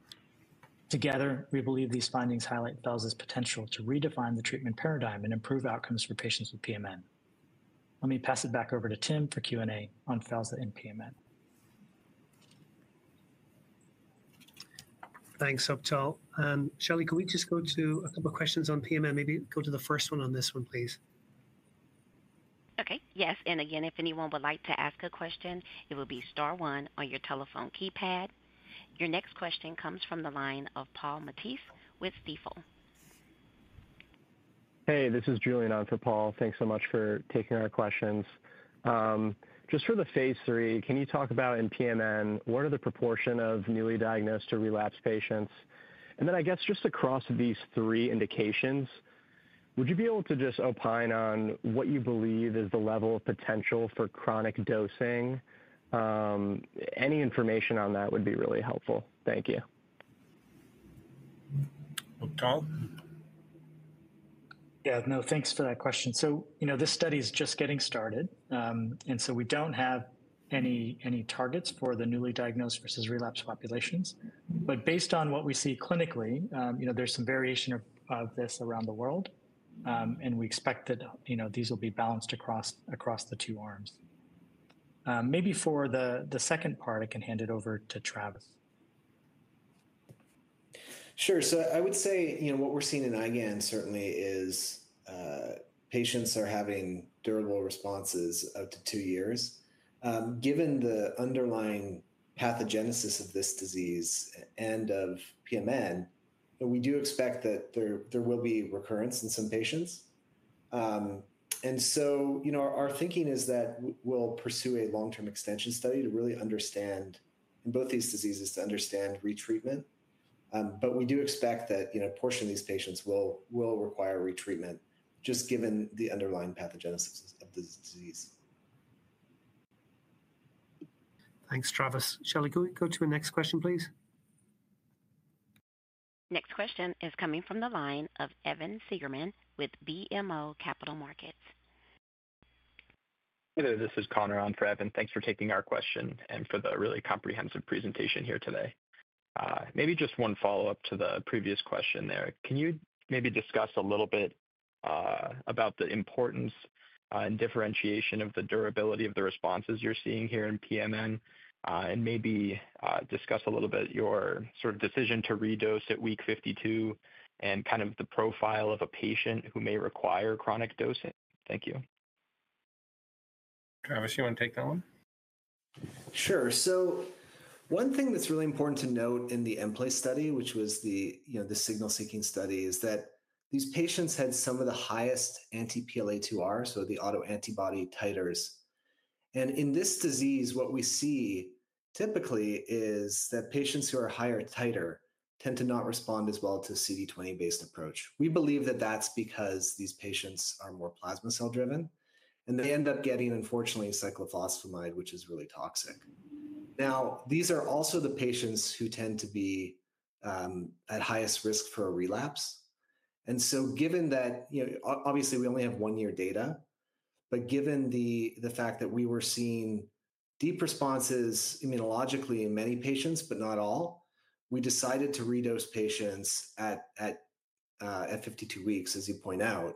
Together, we believe these findings highlight felzartamab's potential to redefine the treatment paradigm and improve outcomes for patients with PMN. Let me pass it back over to Tim for Q&A on felzartamab and PMN. Thanks, Uptal. Shelley, can we just go to a couple of questions on PMN? Maybe go to the first one on this one, please. Okay. Yes. Again, if anyone would like to ask a question, it will be star one on your telephone keypad. Your next question comes from the line of Paul Matisse with Stifel. Hey, this is Julian Uptal. Paul, thanks so much for taking our questions. Just for the phase III, can you talk about in PMN, what are the proportion of newly diagnosed to relapsed patients? I guess, just across these three indications, would you be able to just opine on what you believe is the level of potential for chronic dosing? Any information on that would be really helpful. Thank you. Uptal. Yeah. No, thanks for that question. You know, this study is just getting started. We do not have any targets for the newly diagnosed versus relapsed populations. Based on what we see clinically, you know, there is some variation of this around the world. We expect that, you know, these will be balanced across the two arms. Maybe for the second part, I can hand it over to Travis. Sure. So, I would say, you know, what we're seeing in IgAN certainly is patients are having durable responses up to two years. Given the underlying pathogenesis of this disease and of PMN, we do expect that there will be recurrence in some patients. And so, you know, our thinking is that we'll pursue a long-term extension study to really understand, in both these diseases, to understand retreatment. But we do expect that, you know, a portion of these patients will require retreatment just given the underlying pathogenesis of this disease. Thanks, Travis. Shelley, can we go to the next question, please? Next question is coming from the line of Evan Seigerman with BMO Capital Markets. Hey there. This is Connor on for Evan. Thanks for taking our question and for the really comprehensive presentation here today. Maybe just one follow-up to the previous question there. Can you maybe discuss a little bit about the importance and differentiation of the durability of the responses you're seeing here in PMN? And maybe discuss a little bit your sort of decision to redose at week 52 and kind of the profile of a patient who may require chronic dosing? Thank you. Travis, you want to take that one? Sure. One thing that's really important to note in the employee study, which was the, you know, the signal-seeking study, is that these patients had some of the highest anti-PLA2R, so the autoantibody titers. In this disease, what we see typically is that patients who are higher titer tend to not respond as well to a CD20-based approach. We believe that that's because these patients are more plasma cell-driven. They end up getting, unfortunately, cyclophosphamide, which is really toxic. These are also the patients who tend to be at highest risk for a relapse. Given that, you know, obviously, we only have one-year data, but given the fact that we were seeing deep responses immunologically in many patients, but not all, we decided to redose patients at 52 weeks, as you point out.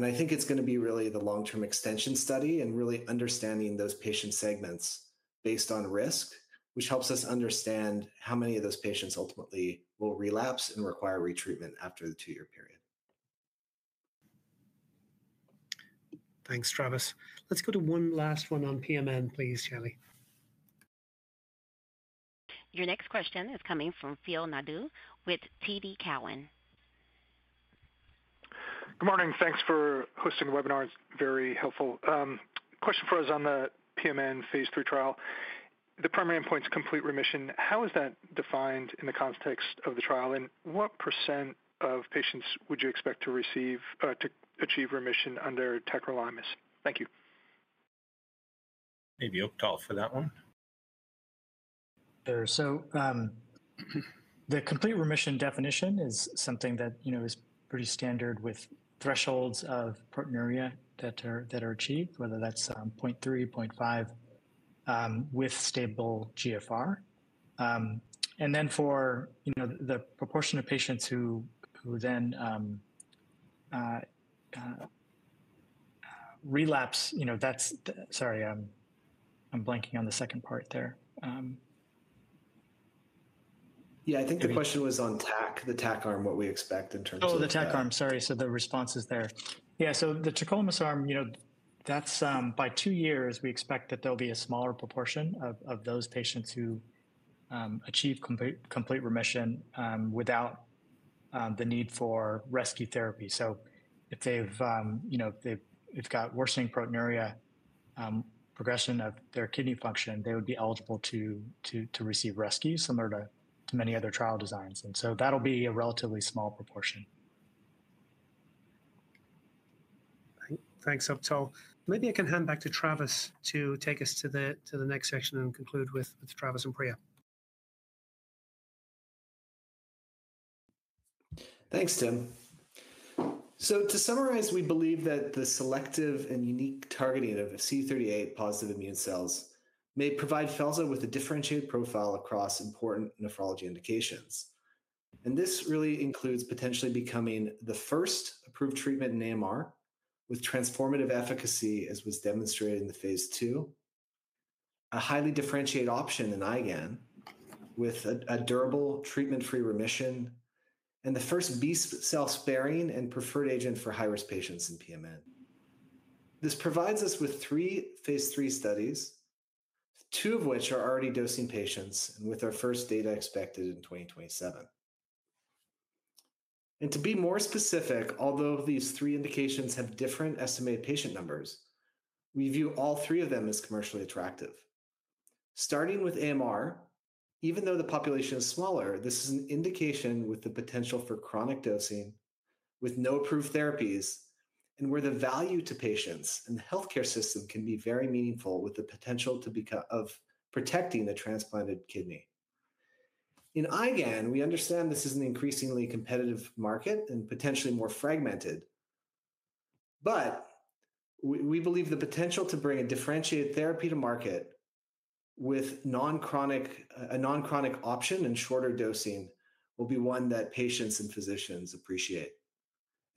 I think it's going to be really the long-term extension study and really understanding those patient segments based on risk, which helps us understand how many of those patients ultimately will relapse and require retreatment after the two-year period. Thanks, Travis. Let's go to one last one on PMN, please, Shelley. Your next question is coming from Phil Nadeau with TD Cowen. Good morning. Thanks for hosting the webinar. It's very helpful. Question for us on the PMN phase III trial. The primary endpoint's complete remission. How is that defined in the context of the trial? And what % of patients would you expect to achieve remission under tacrolimus? Thank you. Maybe Uptal for that one. Sure. The complete remission definition is something that, you know, is pretty standard with thresholds of proteinuria that are achieved, whether that's 0.3, 0.5, with stable GFR. And then for, you know, the proportion of patients who then relapse, you know, that's—sorry, I'm blanking on the second part there. Yeah, I think the question was on TAC, the TAC arm, what we expect in terms of. Oh, the TAC arm. Sorry. So, the responses there. Yeah. So, the tacrolimus arm, you know, that's by two years, we expect that there'll be a smaller proportion of those patients who achieve complete remission without the need for rescue therapy. If they've, you know, if they've got worsening proteinuria, progression of their kidney function, they would be eligible to receive rescue, similar to many other trial designs. That'll be a relatively small proportion. Thanks, Uptal. Maybe I can hand back to Travis to take us to the next section and conclude with Travis and Priya. Thanks, Tim. To summarize, we believe that the selective and unique targeting of CD38-positive immune cells may provide felzartamab with a differentiated profile across important nephrology indications. This really includes potentially becoming the first approved treatment in AMR with transformative efficacy, as was demonstrated in the phase II, a highly differentiated option in IgAN with a durable treatment-free remission, and the first B-cell-sparing and preferred agent for high-risk patients in PMN. This provides us with three phase III studies, two of which are already dosing patients with our first data expected in 2027. To be more specific, although these three indications have different estimated patient numbers, we view all three of them as commercially attractive. Starting with AMR, even though the population is smaller, this is an indication with the potential for chronic dosing with no approved therapies, and where the value to patients and the healthcare system can be very meaningful with the potential of protecting the transplanted kidney. In IgAN, we understand this is an increasingly competitive market and potentially more fragmented. We believe the potential to bring a differentiated therapy to market with a non-chronic option and shorter dosing will be one that patients and physicians appreciate.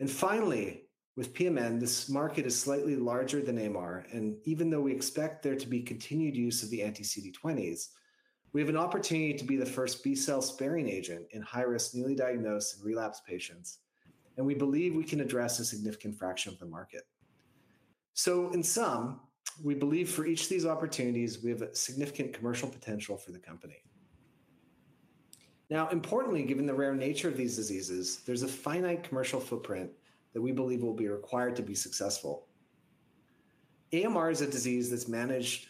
Finally, with PMN, this market is slightly larger than AMR. Even though we expect there to be continued use of the anti-CD20s, we have an opportunity to be the first B-cell-sparing agent in high-risk newly diagnosed and relapsed patients. We believe we can address a significant fraction of the market. In sum, we believe for each of these opportunities, we have a significant commercial potential for the company. Now, importantly, given the rare nature of these diseases, there's a finite commercial footprint that we believe will be required to be successful. AMR is a disease that's managed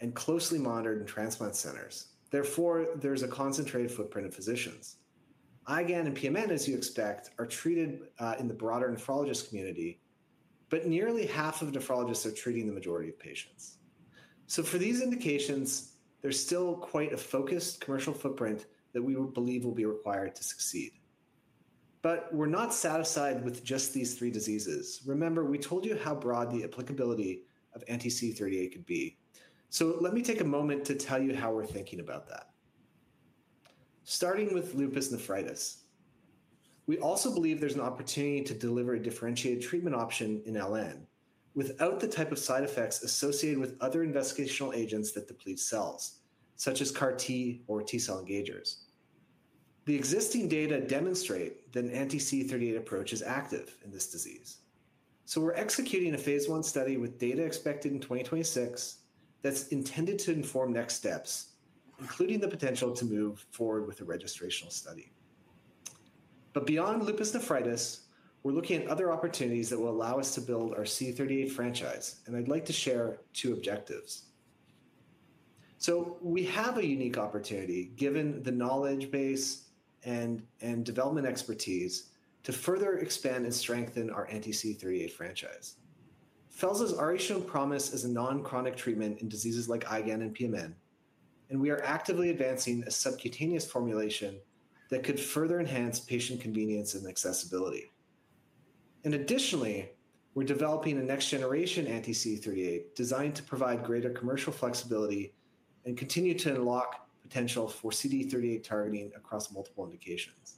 and closely monitored in transplant centers. Therefore, there's a concentrated footprint of physicians. IgAN and PMN, as you expect, are treated in the broader nephrologist community, but nearly half of nephrologists are treating the majority of patients. For these indications, there's still quite a focused commercial footprint that we believe will be required to succeed. We're not satisfied with just these three diseases. Remember, we told you how broad the applicability of anti-CD38 could be. Let me take a moment to tell you how we're thinking about that. Starting with lupus nephritis, we also believe there's an opportunity to deliver a differentiated treatment option in LN without the type of side effects associated with other investigational agents that deplete cells, such as CAR-T or T-cell engagers. The existing data demonstrate that an anti-CD38 approach is active in this disease. We are executing a phase I study with data expected in 2026 that's intended to inform next steps, including the potential to move forward with a registrational study. Beyond lupus nephritis, we are looking at other opportunities that will allow us to build our CD38 franchise. I'd like to share two objectives. We have a unique opportunity, given the knowledge base and development expertise, to further expand and strengthen our anti-CD38 franchise. Felzartamab has already shown promise as a non-chronic treatment in diseases like IgAN and PMN. We are actively advancing a subcutaneous formulation that could further enhance patient convenience and accessibility. Additionally, we're developing a next-generation anti-CD38 designed to provide greater commercial flexibility and continue to unlock potential for CD38 targeting across multiple indications.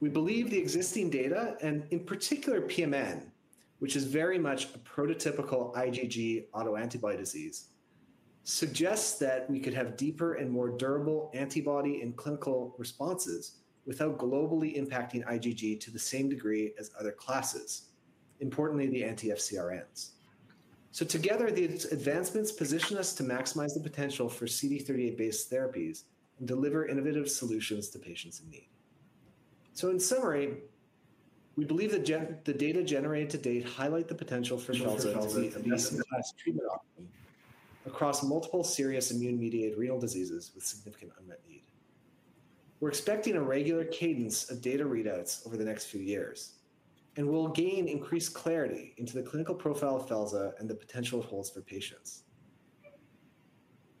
We believe the existing data, and in particular PMN, which is very much a prototypical IgG autoantibody disease, suggests that we could have deeper and more durable antibody and clinical responses without globally impacting IgG to the same degree as other classes, importantly, the anti-FcRns. Together, these advancements position us to maximize the potential for CD38-based therapies and deliver innovative solutions to patients in need. In summary, we believe the data generated to date highlight the potential for felzartamab to be a best-in-class treatment option across multiple serious immune-mediated renal diseases with significant unmet need. We're expecting a regular cadence of data readouts over the next few years. We will gain increased clarity into the clinical profile of felzartamab and the potential it holds for patients.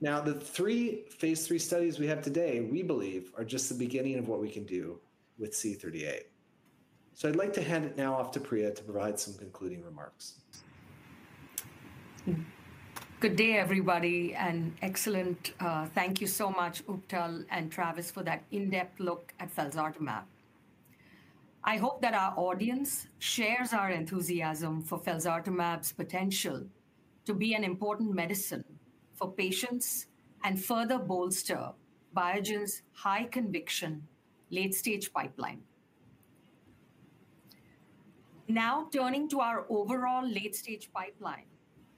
Now, the three phase III studies we have today, we believe, are just the beginning of what we can do with CD38. I would like to hand it now off to Priya to provide some concluding remarks. Good day, everybody. Excellent. Thank you so much, Uptal and Travis, for that in-depth look at felzartamab. I hope that our audience shares our enthusiasm for felzartamab's potential to be an important medicine for patients and further bolster Biogen's high-conviction late-stage pipeline. Now, turning to our overall late-stage pipeline,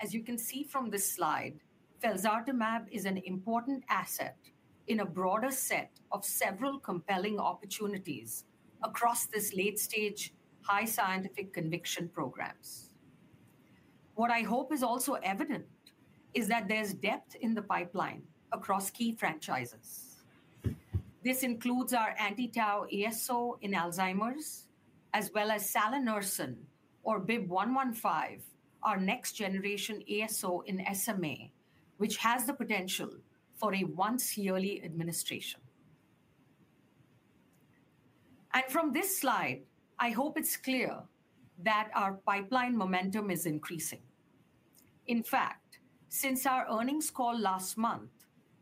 as you can see from this slide, felzartamab is an important asset in a broader set of several compelling opportunities across these late-stage, high-scientific conviction programs. What I hope is also evident is that there is depth in the pipeline across key franchises. This includes our anti-Tau ASO in Alzheimer's, as well as BIIB115, our next-generation ASO in SMA, which has the potential for a once-yearly administration. From this slide, I hope it is clear that our pipeline momentum is increasing. In fact, since our earnings call last month,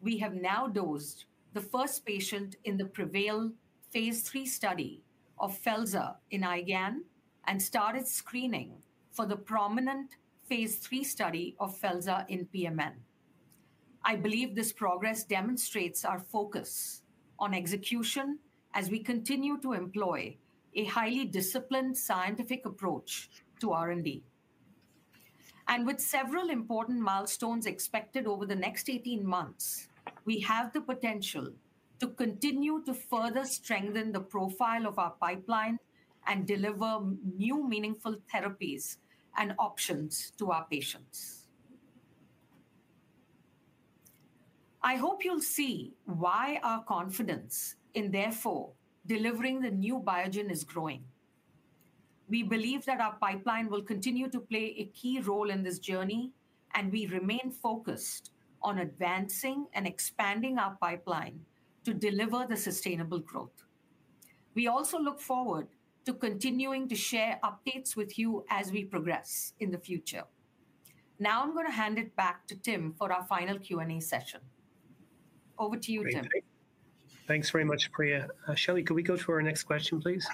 we have now dosed the first patient in the Prevail phase III study of felzartamab in IgAN and started screening for the Prominent phase III study of felzartamab in PMN. I believe this progress demonstrates our focus on execution as we continue to employ a highly disciplined scientific approach to R&D. With several important milestones expected over the next 18 months, we have the potential to continue to further strengthen the profile of our pipeline and deliver new meaningful therapies and options to our patients. I hope you'll see why our confidence in, therefore, delivering the new Biogen is growing. We believe that our pipeline will continue to play a key role in this journey, and we remain focused on advancing and expanding our pipeline to deliver the sustainable growth. We also look forward to continuing to share updates with you as we progress in the future. Now, I'm going to hand it back to Tim for our final Q&A session. Over to you, Tim. Thanks very much, Priya. Shelley, could we go to our next question, please?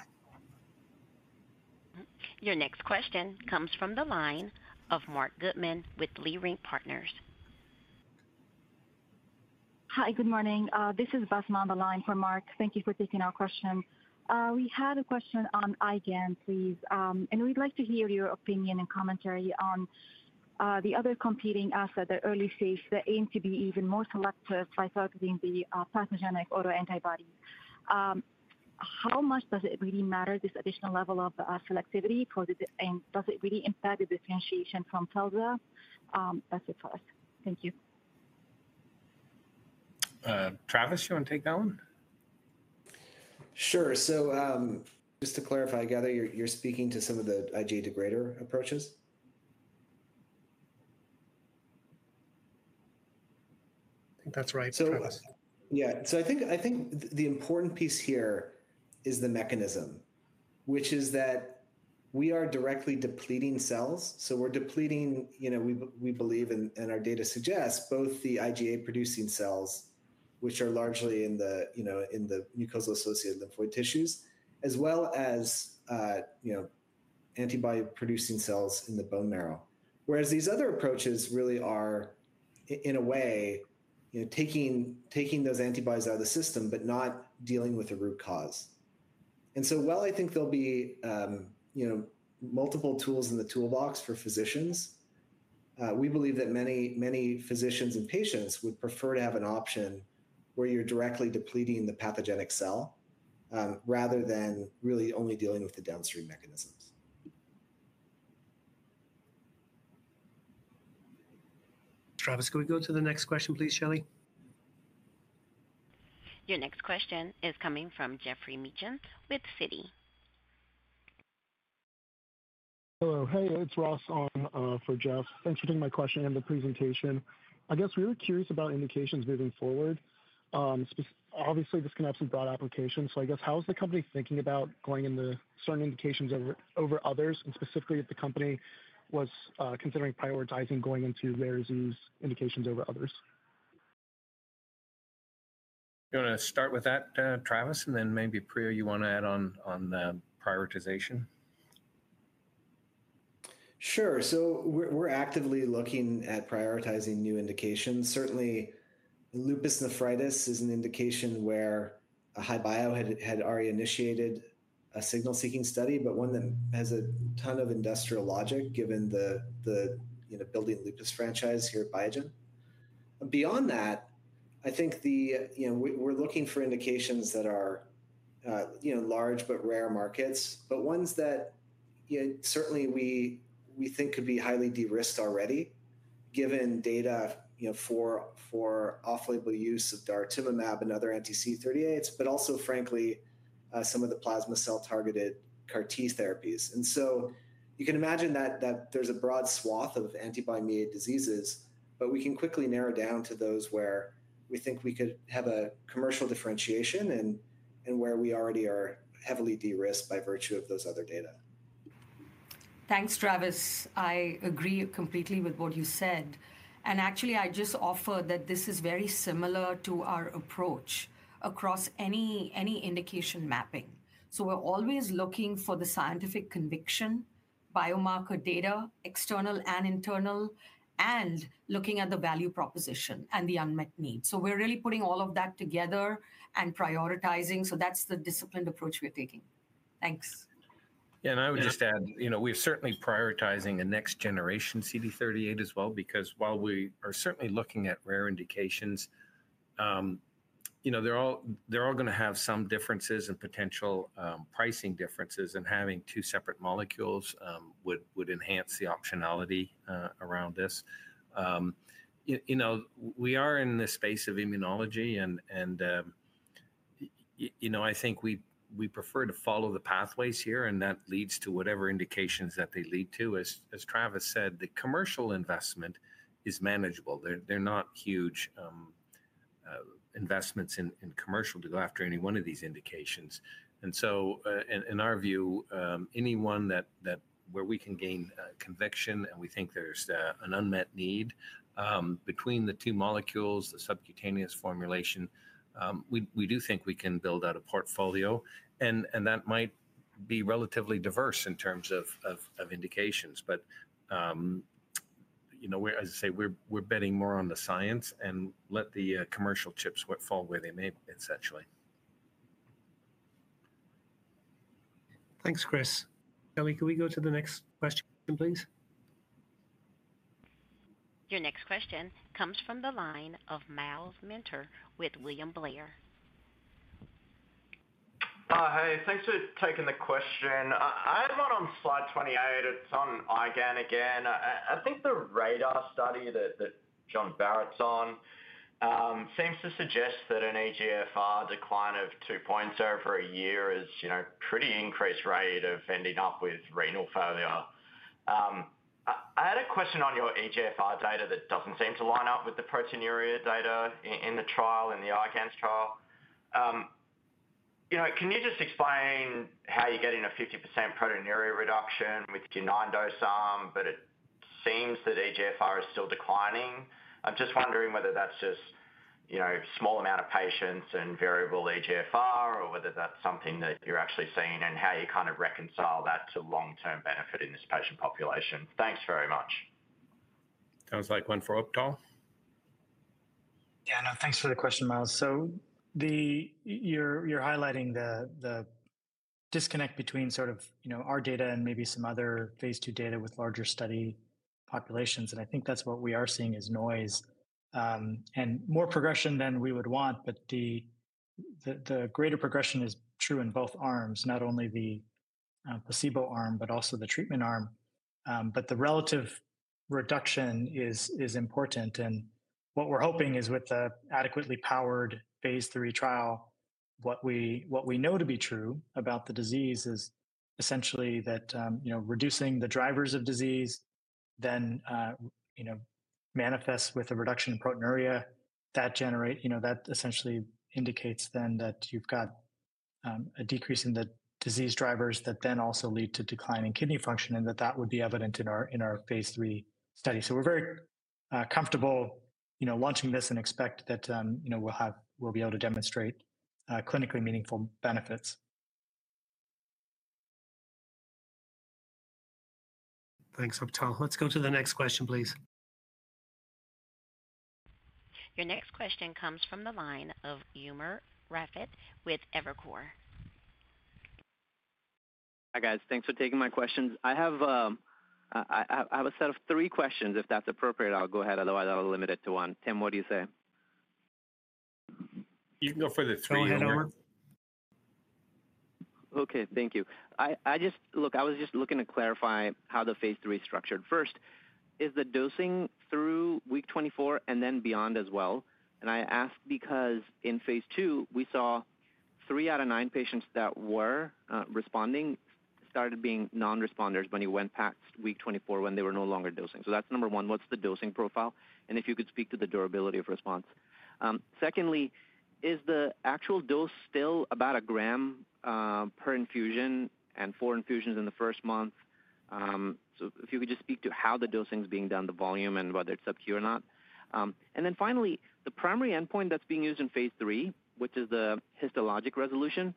Your next question comes from the line of Marc Goodman with Leerink Partners. Hi, good morning. This is Basma on the line for Mark. Thank you for taking our question. We had a question on IgAN, please. We'd like to hear your opinion and commentary on the other competing asset, the early phase that aimed to be even more selective by targeting the pathogenic autoantibody. How much does it really matter, this additional level of selectivity for the? Does it really impact the differentiation from felzartamab? That's it for us. Thank you. Travis, you want to take that one? Sure. So, just to clarify, I gather you're speaking to some of the IgA degrader approaches? I think that's right for us. Yeah. I think the important piece here is the mechanism, which is that we are directly depleting cells. We're depleting, you know, we believe, and our data suggest, both the IgA-producing cells, which are largely in the mucosal-associated lymphoid tissues, as well as antibody-producing cells in the bone marrow. Whereas these other approaches really are, in a way, taking those antibodies out of the system, but not dealing with the root cause. While I think there'll be multiple tools in the toolbox for physicians, we believe that many physicians and patients would prefer to have an option where you're directly depleting the pathogenic cell rather than really only dealing with the downstream mechanisms. Travis, could we go to the next question, please, Shelley? Your next question is coming from Jeffrey Mechant with Citi. Hello. Hey, it's Ross on for Jeff. Thanks for taking my question and the presentation. I guess we were curious about indications moving forward. Obviously, this can have some broad applications. I guess, how is the company thinking about going into certain indications over others? Specifically, if the company was considering prioritizing going into rare disease indications over others? You want to start with that, Travis? And then maybe Priya, you want to add on the prioritization? Sure. We're actively looking at prioritizing new indications. Certainly, lupus nephritis is an indication where HiBio had already initiated a signal-seeking study, but one that has a ton of industrial logic, given the building lupus franchise here at Biogen. Beyond that, I think we're looking for indications that are large but rare markets, but ones that certainly we think could be highly de-risked already, given data for off-label use of daratumumab and other anti-CD38s, but also, frankly, some of the plasma cell-targeted CAR-T therapies. You can imagine that there's a broad swath of antibody-mediated diseases, but we can quickly narrow down to those where we think we could have a commercial differentiation and where we already are heavily de-risked by virtue of those other data. Thanks, Travis. I agree completely with what you said. Actually, I just offer that this is very similar to our approach across any indication mapping. We're always looking for the scientific conviction, biomarker data, external and internal, and looking at the value proposition and the unmet need. We're really putting all of that together and prioritizing. That's the disciplined approach we're taking. Thanks. Yeah. I would just add, we're certainly prioritizing a next-generation CD38 as well, because while we are certainly looking at rare indications, they're all going to have some differences and potential pricing differences. Having two separate molecules would enhance the optionality around this. We are in the space of immunology. I think we prefer to follow the pathways here. That leads to whatever indications that they lead to. As Travis said, the commercial investment is manageable. They're not huge investments in commercial to go after any one of these indications. In our view, anyone where we can gain conviction, and we think there's an unmet need between the two molecules, the subcutaneous formulation, we do think we can build out a portfolio. That might be relatively diverse in terms of indications. As I say, we're betting more on the science and let the commercial chips fall where they may, essentially. Thanks, Chris. Shelley, could we go to the next question, please? Your next question comes from the line of Miles Minter with William Blair. Hi. Thanks for taking the question. I had one on slide 28. It's on IgAN again. I think the radar study that John Barrett's on seems to suggest that an eGFR decline of 2.0 for a year is a pretty increased rate of ending up with renal failure. I had a question on your eGFR data that doesn't seem to line up with the proteinuria data in the trial, in the IgAN trial. Can you just explain how you're getting a 50% proteinuria reduction with your nine-dose arm, but it seems that eGFR is still declining? I'm just wondering whether that's just a small amount of patients and variable eGFR, or whether that's something that you're actually seeing and how you kind of reconcile that to long-term benefit in this patient population. Thanks very much. Sounds like one for Uptal. Yeah. No, thanks for the question, Miles. You're highlighting the disconnect between sort of our data and maybe some other phase II data with larger study populations. I think what we are seeing is noise and more progression than we would want. The greater progression is true in both arms, not only the placebo arm, but also the treatment arm. The relative reduction is important. What we're hoping is with the adequately powered phase III trial, what we know to be true about the disease is essentially that reducing the drivers of disease then manifests with a reduction in proteinuria. That essentially indicates that you've got a decrease in the disease drivers that then also lead to declining kidney function, and that would be evident in our phase III study. We're very comfortable launching this and expect that we'll be able to demonstrate clinically meaningful benefits. Thanks, Uptal. Let's go to the next question, please. Your next question comes from the line of Umer Raffat with Evercore. Hi, guys. Thanks for taking my questions. I have a set of three questions. If that's appropriate, I'll go ahead. Otherwise, I'll limit it to one. Tim, what do you say? You can go for the three here. Okay. Thank you. I was just looking to clarify how the phase III is structured. First, is the dosing through week 24 and then beyond as well? I ask because in phase II, we saw three out of nine patients that were responding started being non-responders when you went past week 24 when they were no longer dosing. That's number one. What's the dosing profile? If you could speak to the durability of response. Secondly, is the actual dose still about a gram per infusion and four infusions in the first month? If you could just speak to how the dosing is being done, the volume, and whether it's subcu or not. Finally, the primary endpoint that's being used in phase III, which is the histologic resolution,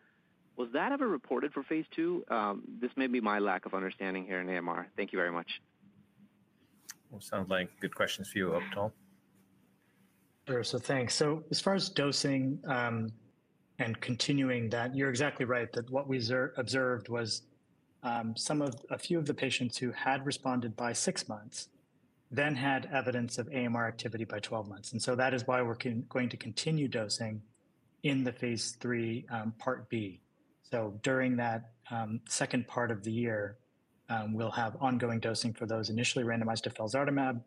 was that ever reported for phase II? This may be my lack of understanding here in AMR. Thank you very much. Sounds like good questions for you, Uptal. Sure. Thanks. As far as dosing and continuing that, you're exactly right that what we observed was a few of the patients who had responded by six months then had evidence of AMR activity by 12 months. That is why we're going to continue dosing in the phase III part B. During that second part of the year, we'll have ongoing dosing for those initially randomized to felzartamab.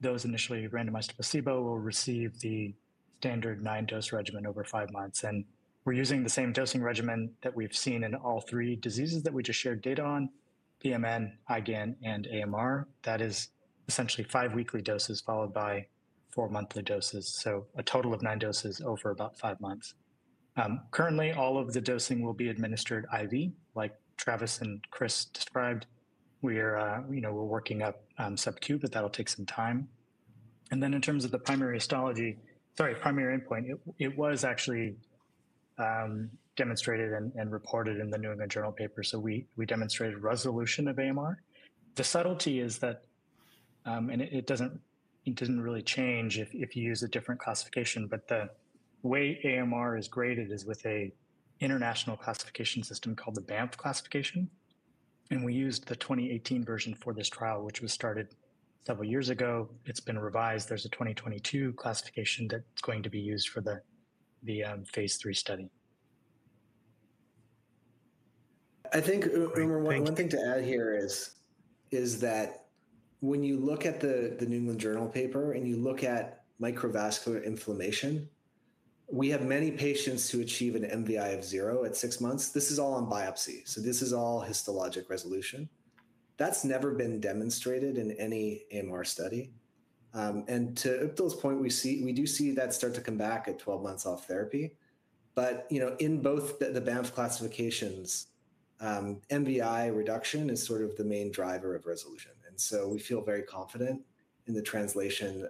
Those initially randomized to placebo will receive the standard nine-dose regimen over five months. We're using the same dosing regimen that we've seen in all three diseases that we just shared data on: PMN, IgAN, and AMR. That is essentially five weekly doses followed by four monthly doses. A total of nine doses over about five months. Currently, all of the dosing will be administered IV, like Travis and Chris described. We're working up subcu, but that'll take some time. In terms of the primary histology—sorry, primary endpoint, it was actually demonstrated and reported in the New England Journal paper. We demonstrated resolution of AMR. The subtlety is that—it doesn't really change if you use a different classification—the way AMR is graded is with an international classification system called the BAMP classification. We used the 2018 version for this trial, which was started several years ago. It's been revised. There's a 2022 classification that's going to be used for the phase III study. I think one thing to add here is that when you look at the New England Journal paper and you look at microvascular inflammation, we have many patients who achieve an MVI of zero at six months. This is all on biopsy. This is all histologic resolution. That's never been demonstrated in any AMR study. To Uptal's point, we do see that start to come back at 12 months off therapy. In both the BAMP classifications, MVI reduction is sort of the main driver of resolution. We feel very confident in the translation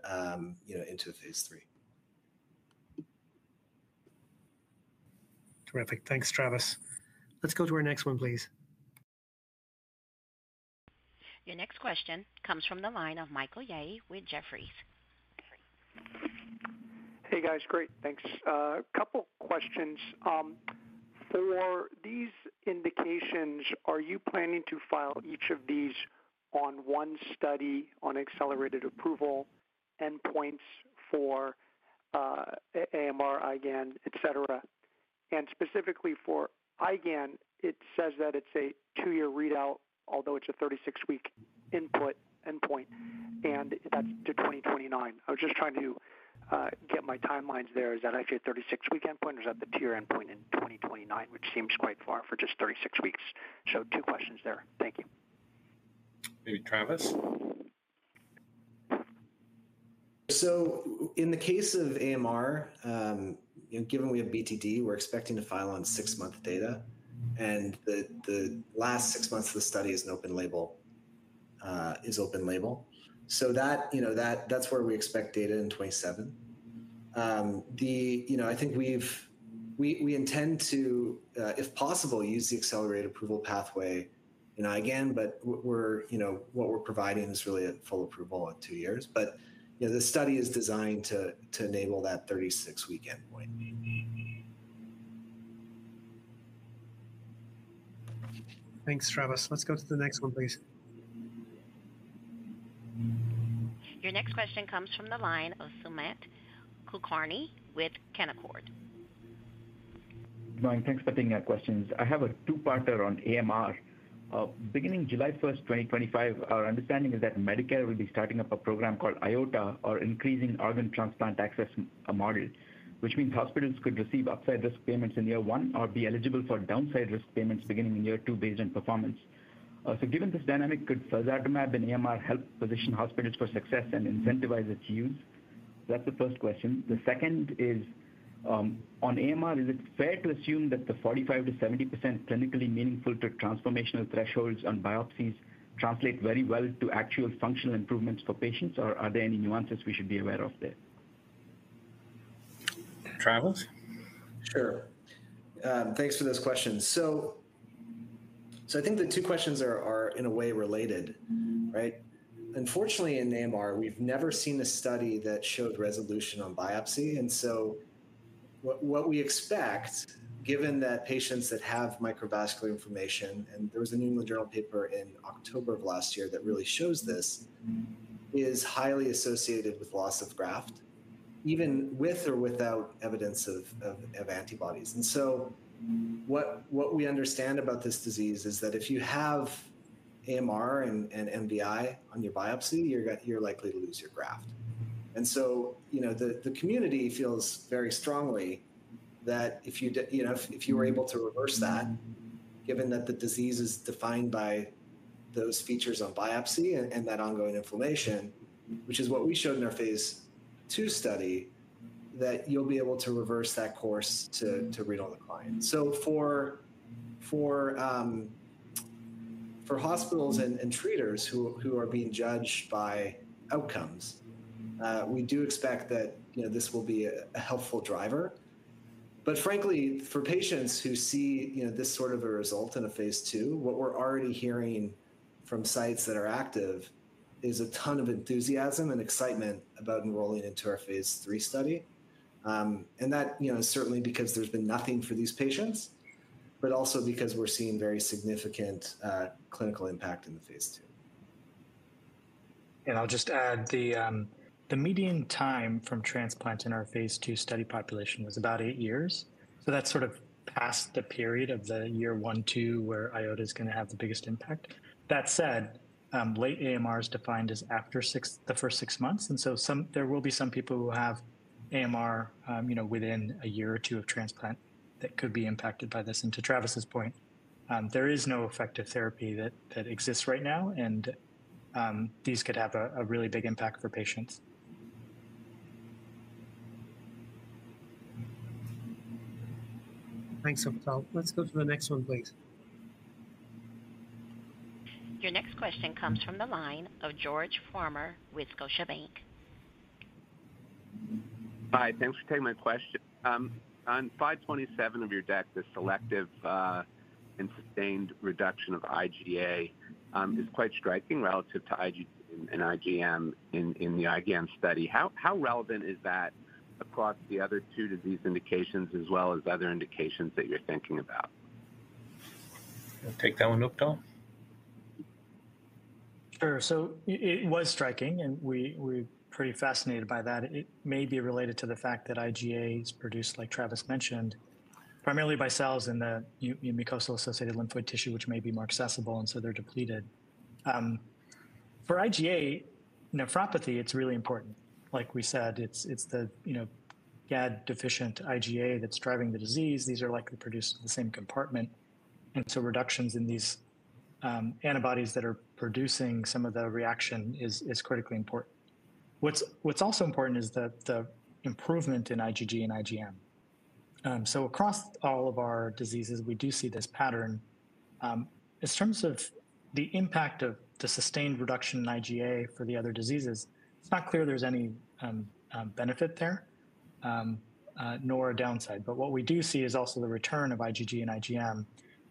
into phase III. Terrific. Thanks, Travis. Let's go to our next one, please. Your next question comes from the line of Michael Yee with Jefferies. Hey, guys. Great. Thanks. A couple of questions. For these indications, are you planning to file each of these on one study on accelerated approval endpoints for AMR, IgAN, et cetera? And specifically for IgAN, it says that it's a two-year readout, although it's a 36-week input endpoint. And that's to 2029. I was just trying to get my timelines there. Is that actually a 36-week endpoint, or is that the two-year endpoint in 2029, which seems quite far for just 36 weeks? Two questions there. Thank you. Maybe Travis? In the case of AMR, given we have BTD, we're expecting to file on six-month data. The last six months of the study is an open label. That's where we expect data in 2027. I think we intend to, if possible, use the accelerated approval pathway in IgAN. What we're providing is really full approval in two years. The study is designed to enable that 36-week endpoint. Thanks, Travis. Let's go to the next one, please. Your next question comes from the line of Sumant Kulkarni with Canaccord. Hi, Mike. Thanks for taking our questions. I have a two-parter on AMR. Beginning July 1, 2025, our understanding is that Medicare will be starting up a program called IOTA or Increasing Organ Transplant Access Model, which means hospitals could receive upside risk payments in year one or be eligible for downside risk payments beginning in year two based on performance. Given this dynamic, could felzartamab and AMR help position hospitals for success and incentivize its use? That's the first question. The second is, on AMR, is it fair to assume that the 45%-70% clinically meaningful to transformational thresholds on biopsies translate very well to actual functional improvements for patients, or are there any nuances we should be aware of there? Travis? Sure. Thanks for those questions. I think the two questions are, in a way, related. Unfortunately, in AMR, we've never seen a study that showed resolution on biopsy. What we expect, given that patients that have microvascular inflammation—and there was a New England Journal paper in October of last year that really shows this—is highly associated with loss of graft, even with or without evidence of antibodies. What we understand about this disease is that if you have AMR and MVI on your biopsy, you're likely to lose your graft. The community feels very strongly that if you were able to reverse that, given that the disease is defined by those features on biopsy and that ongoing inflammation, which is what we showed in our phase II study, that you'll be able to reverse that course to read on the client. For hospitals and treaters who are being judged by outcomes, we do expect that this will be a helpful driver. Frankly, for patients who see this sort of a result in a phase II, what we're already hearing from sites that are active is a ton of enthusiasm and excitement about enrolling into our phase III study. That is certainly because there's been nothing for these patients, but also because we're seeing very significant clinical impact in the phase II. I'll just add the median time from transplant in our phase II study population was about eight years. That's sort of past the period of the year one, two, where IOTA is going to have the biggest impact. That said, late AMR is defined as after the first six months. There will be some people who have AMR within a year or two of transplant that could be impacted by this. To Travis's point, there is no effective therapy that exists right now, and these could have a really big impact for patients. Thanks, Uptal. Let's go to the next one, please. Your next question comes from the line of George Farmer with Scotiabank. Hi. Thanks for taking my question. On slide 27 of your deck, the selective and sustained reduction of IgA is quite striking relative to IgG and IgM in the IgAN study. How relevant is that across the other two disease indications, as well as other indications that you're thinking about? Take that one, Uptal. Sure. It was striking, and we're pretty fascinated by that. It may be related to the fact that IgA is produced, like Travis mentioned, primarily by cells in the mucosal-associated lymphoid tissue, which may be more accessible, and so they're depleted. For IgA nephropathy, it's really important. Like we said, it's the GAD-deficient IgA that's driving the disease. These are likely produced in the same compartment. Reductions in these antibodies that are producing some of the reaction is critically important. What's also important is the improvement in IgG and IgM. Across all of our diseases, we do see this pattern. In terms of the impact of the sustained reduction in IgA for the other diseases, it's not clear there's any benefit there, nor a downside. What we do see is also the return of IgG and IgM,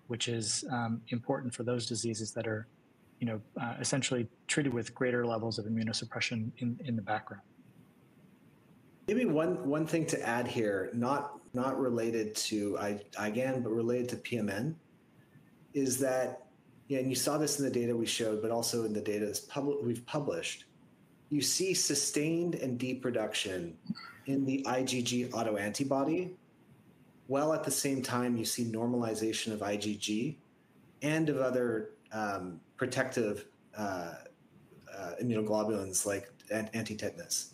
which is important for those diseases that are essentially treated with greater levels of immunosuppression in the background. Maybe one thing to add here, not related to IgAN, but related to PMN, is that, and you saw this in the data we showed, but also in the data we've published, you see sustained and deep reduction in the IgG autoantibody while at the same time you see normalization of IgG and of other protective immunoglobulins like antitetanus.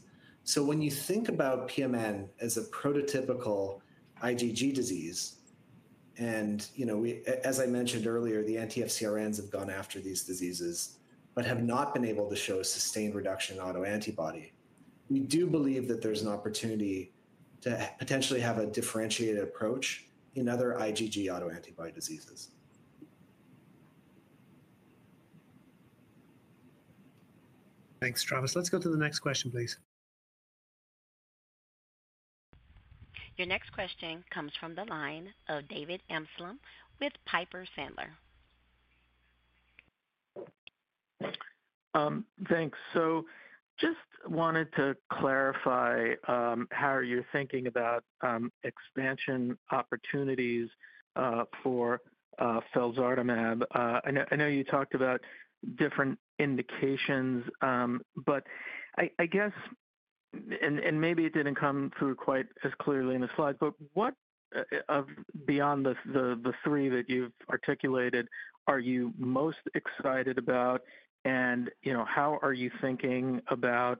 When you think about PMN as a prototypical IgG disease, and as I mentioned earlier, the anti-FcRns have gone after these diseases, but have not been able to show sustained reduction in autoantibody, we do believe that there's an opportunity to potentially have a differentiated approach in other IgG autoantibody diseases. Thanks, Travis. Let's go to the next question, please. Your next question comes from the line of David Amsellem with Piper Sandler. Thanks. Just wanted to clarify how you're thinking about expansion opportunities for felzartamab. I know you talked about different indications, but I guess, and maybe it didn't come through quite as clearly in the slides, but what, beyond the three that you've articulated, are you most excited about, and how are you thinking about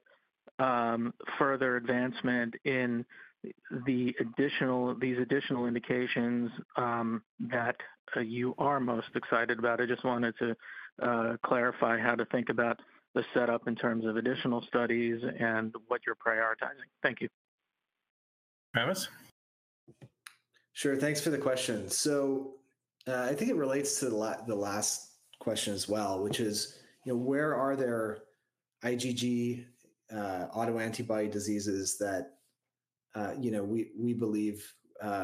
further advancement in these additional indications that you are most excited about? I just wanted to clarify how to think about the setup in terms of additional studies and what you're prioritizing. Thank you. Travis? Sure. Thanks for the question. I think it relates to the last question as well, which is, where are there IgG autoantibody diseases that we believe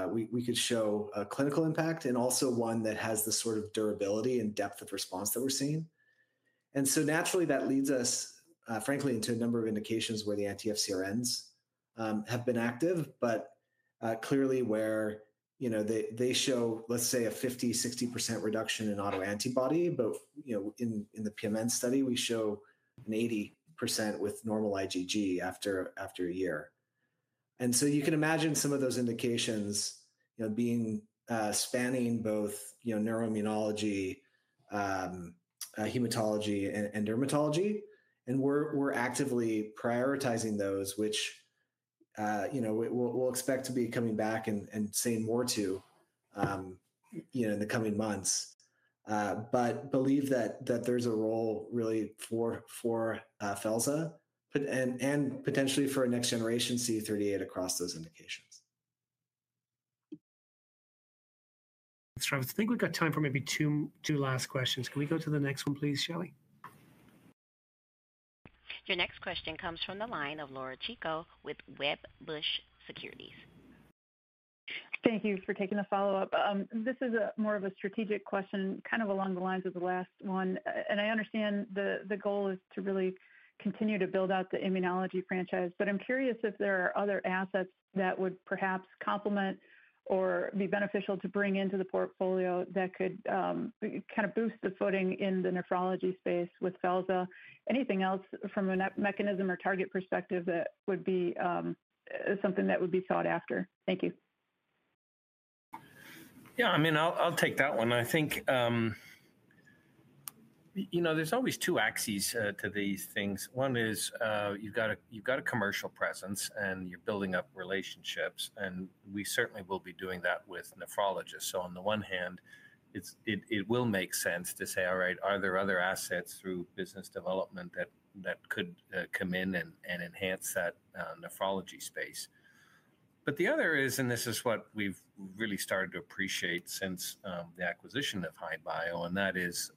we could show a clinical impact and also one that has the sort of durability and depth of response that we're seeing? Naturally, that leads us, frankly, into a number of indications where the anti-FcRns have been active, but clearly where they show, let's say, a 50%-60% reduction in autoantibody, but in the PMN study, we show an 80% with normal IgG after a year. You can imagine some of those indications spanning both neuroimmunology, hematology, and dermatology. We're actively prioritizing those, which we'll expect to be coming back and saying more to in the coming months, but believe that there's a role really for felzartamab and potentially for a next-generation CD38 across those indications. Thanks, Travis. I think we've got time for maybe two last questions. Can we go to the next one, please, Shelley? Your next question comes from the line of Laura Chico with Wedbush Securities. Thank you for taking the follow-up. This is more of a strategic question, kind of along the lines of the last one. I understand the goal is to really continue to build out the immunology franchise, but I'm curious if there are other assets that would perhaps complement or be beneficial to bring into the portfolio that could kind of boost the footing in the nephrology space with felzartamab. Anything else from a mechanism or target perspective that would be something that would be sought after? Thank you. Yeah. I mean, I'll take that one. I think there's always two axes to these things. One is you've got a commercial presence, and you're building up relationships, and we certainly will be doing that with nephrologists. On the one hand, it will make sense to say, "All right, are there other assets through business development that could come in and enhance that nephrology space?" The other is, and this is what we've really started to appreciate since the acquisition of HiBio, and that is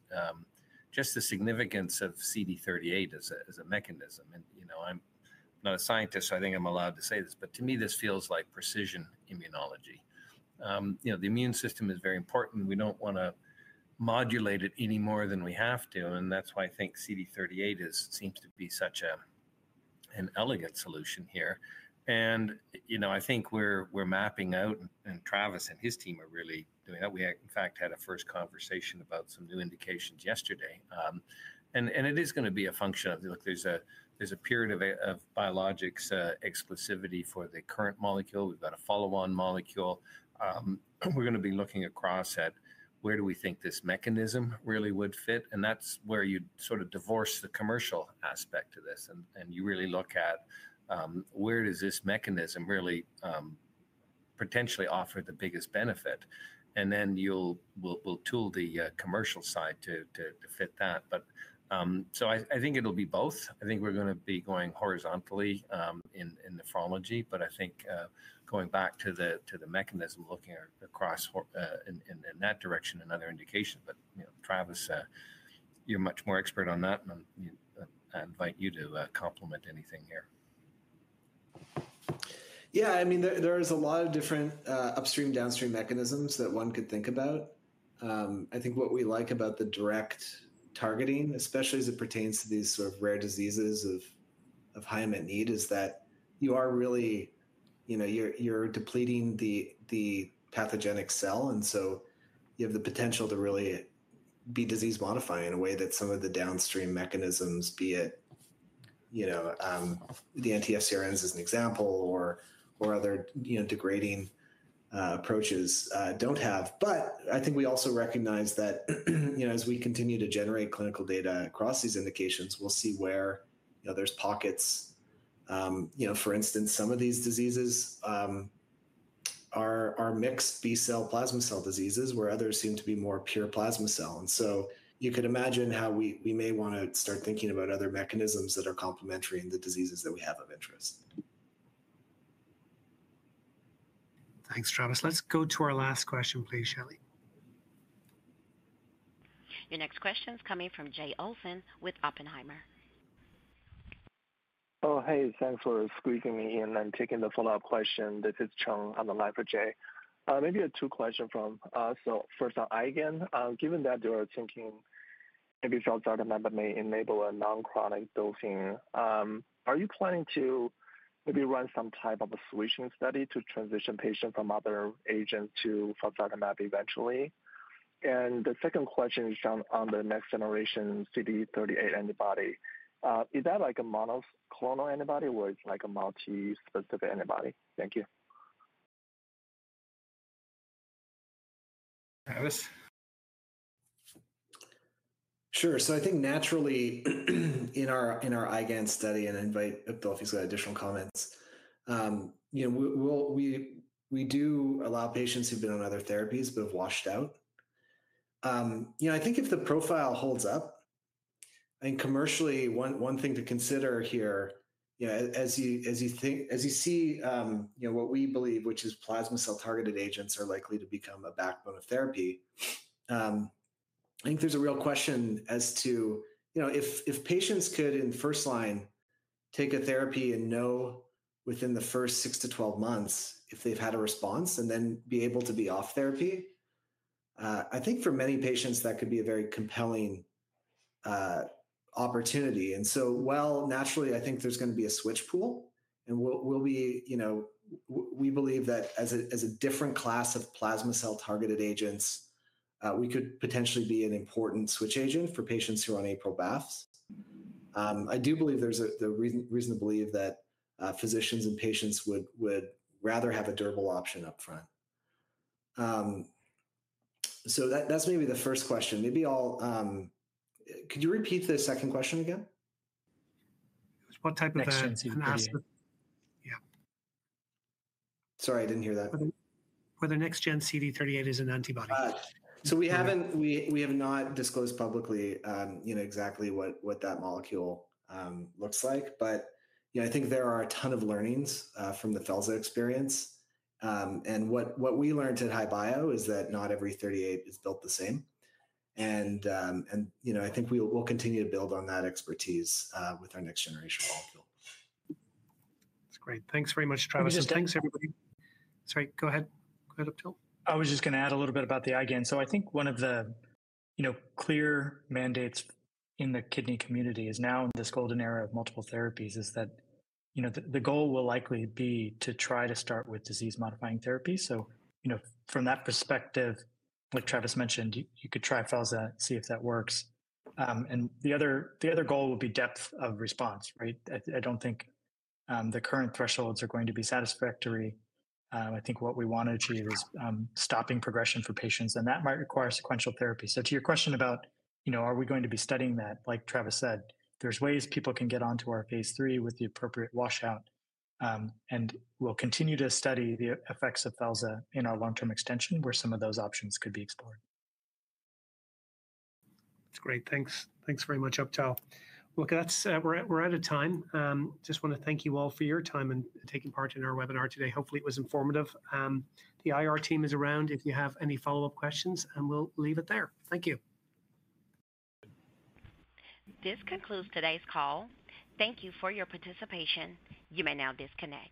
just the significance of CD38 as a mechanism. I'm not a scientist, so I think I'm allowed to say this, but to me, this feels like precision immunology. The immune system is very important. We don't want to modulate it any more than we have to. That's why I think CD38 seems to be such an elegant solution here. I think we're mapping out, and Travis and his team are really doing that. We, in fact, had a first conversation about some new indications yesterday. It is going to be a function of, look, there's a period of biologics exclusivity for the current molecule. We've got a follow-on molecule. We're going to be looking across at where do we think this mechanism really would fit. That is where you sort of divorce the commercial aspect of this. You really look at where does this mechanism really potentially offer the biggest benefit. Then we'll tool the commercial side to fit that. I think it'll be both. I think we're going to be going horizontally in nephrology, but I think going back to the mechanism, looking across in that direction, another indication. Travis, you're much more expert on that, and I invite you to complement anything here. Yeah. I mean, there are a lot of different upstream/downstream mechanisms that one could think about. I think what we like about the direct targeting, especially as it pertains to these sort of rare diseases of high-emit need, is that you are really depleting the pathogenic cell. And so, you have the potential to really be disease-modifying in a way that some of the downstream mechanisms, be it the anti-FcRns as an example or other degrading approaches, do not have. I think we also recognize that as we continue to generate clinical data across these indications, we will see where there are pockets. For instance, some of these diseases are mixed B-cell plasma cell diseases, where others seem to be more pure plasma cell. You could imagine how we may want to start thinking about other mechanisms that are complementary in the diseases that we have of interest. Thanks, Travis. Let's go to our last question, please, Shelley. Your next question is coming from Jay Olsen with Oppenheimer. Oh, hey. Thanks for squeezing me in and taking the follow-up question. This is Chung on the line for Jay. Maybe a two-question from us. First, on IgAN, given that you are thinking maybe felzartamab may enable a non-chronic dosing, are you planning to maybe run some type of a solution study to transition patients from other agents to felzartamab eventually? The second question is on the next-generation CD38 antibody. Is that like a monoclonal antibody or it's like a multi-specific antibody? Thank you. Travis? Sure. I think naturally in our IgAN study, and I invite Uptal if he's got additional comments, we do allow patients who've been on other therapies but have washed out. I think if the profile holds up, I think commercially, one thing to consider here, as you see what we believe, which is plasma cell-targeted agents are likely to become a backbone of therapy, I think there's a real question as to if patients could, in first line, take a therapy and know within the first 6 to 12 months if they've had a response and then be able to be off therapy. I think for many patients, that could be a very compelling opportunity. While naturally, I think there's going to be a switch pool, and we believe that as a different class of plasma cell-targeted agents, we could potentially be an important switch agent for patients who are on APRIL inhibitors. I do believe there's a reason to believe that physicians and patients would rather have a durable option upfront. That's maybe the first question. Could you repeat the second question again? What type of answer are you going to ask? Sorry, I didn't hear that. Whether next-gen CD38 is an antibody. We have not disclosed publicly exactly what that molecule looks like, but I think there are a ton of learnings from the felzartamab experience. What we learned at HiBio is that not every CD38 is built the same. I think we will continue to build on that expertise with our next-generation molecule. That's great. Thanks very much, Travis. And thanks, everybody. Sorry, go ahead, Uptal. I was just going to add a little bit about the IgAN. I think one of the clear mandates in the kidney community is now in this golden era of multiple therapies is that the goal will likely be to try to start with disease-modifying therapy. From that perspective, like Travis mentioned, you could try felzartamab, see if that works. The other goal would be depth of response, right? I do not think the current thresholds are going to be satisfactory. I think what we want to achieve is stopping progression for patients, and that might require sequential therapy. To your question about are we going to be studying that, like Travis said, there are ways people can get onto our phase III with the appropriate washout, and we will continue to study the effects of felzartamab in our long-term extension where some of those options could be explored. That's great. Thanks. Thanks very much, Uptal. Look, we're out of time. Just want to thank you all for your time and taking part in our webinar today. Hopefully, it was informative. The IR team is around. If you have any follow-up questions, we'll leave it there. Thank you. This concludes today's call. Thank you for your participation. You may now disconnect.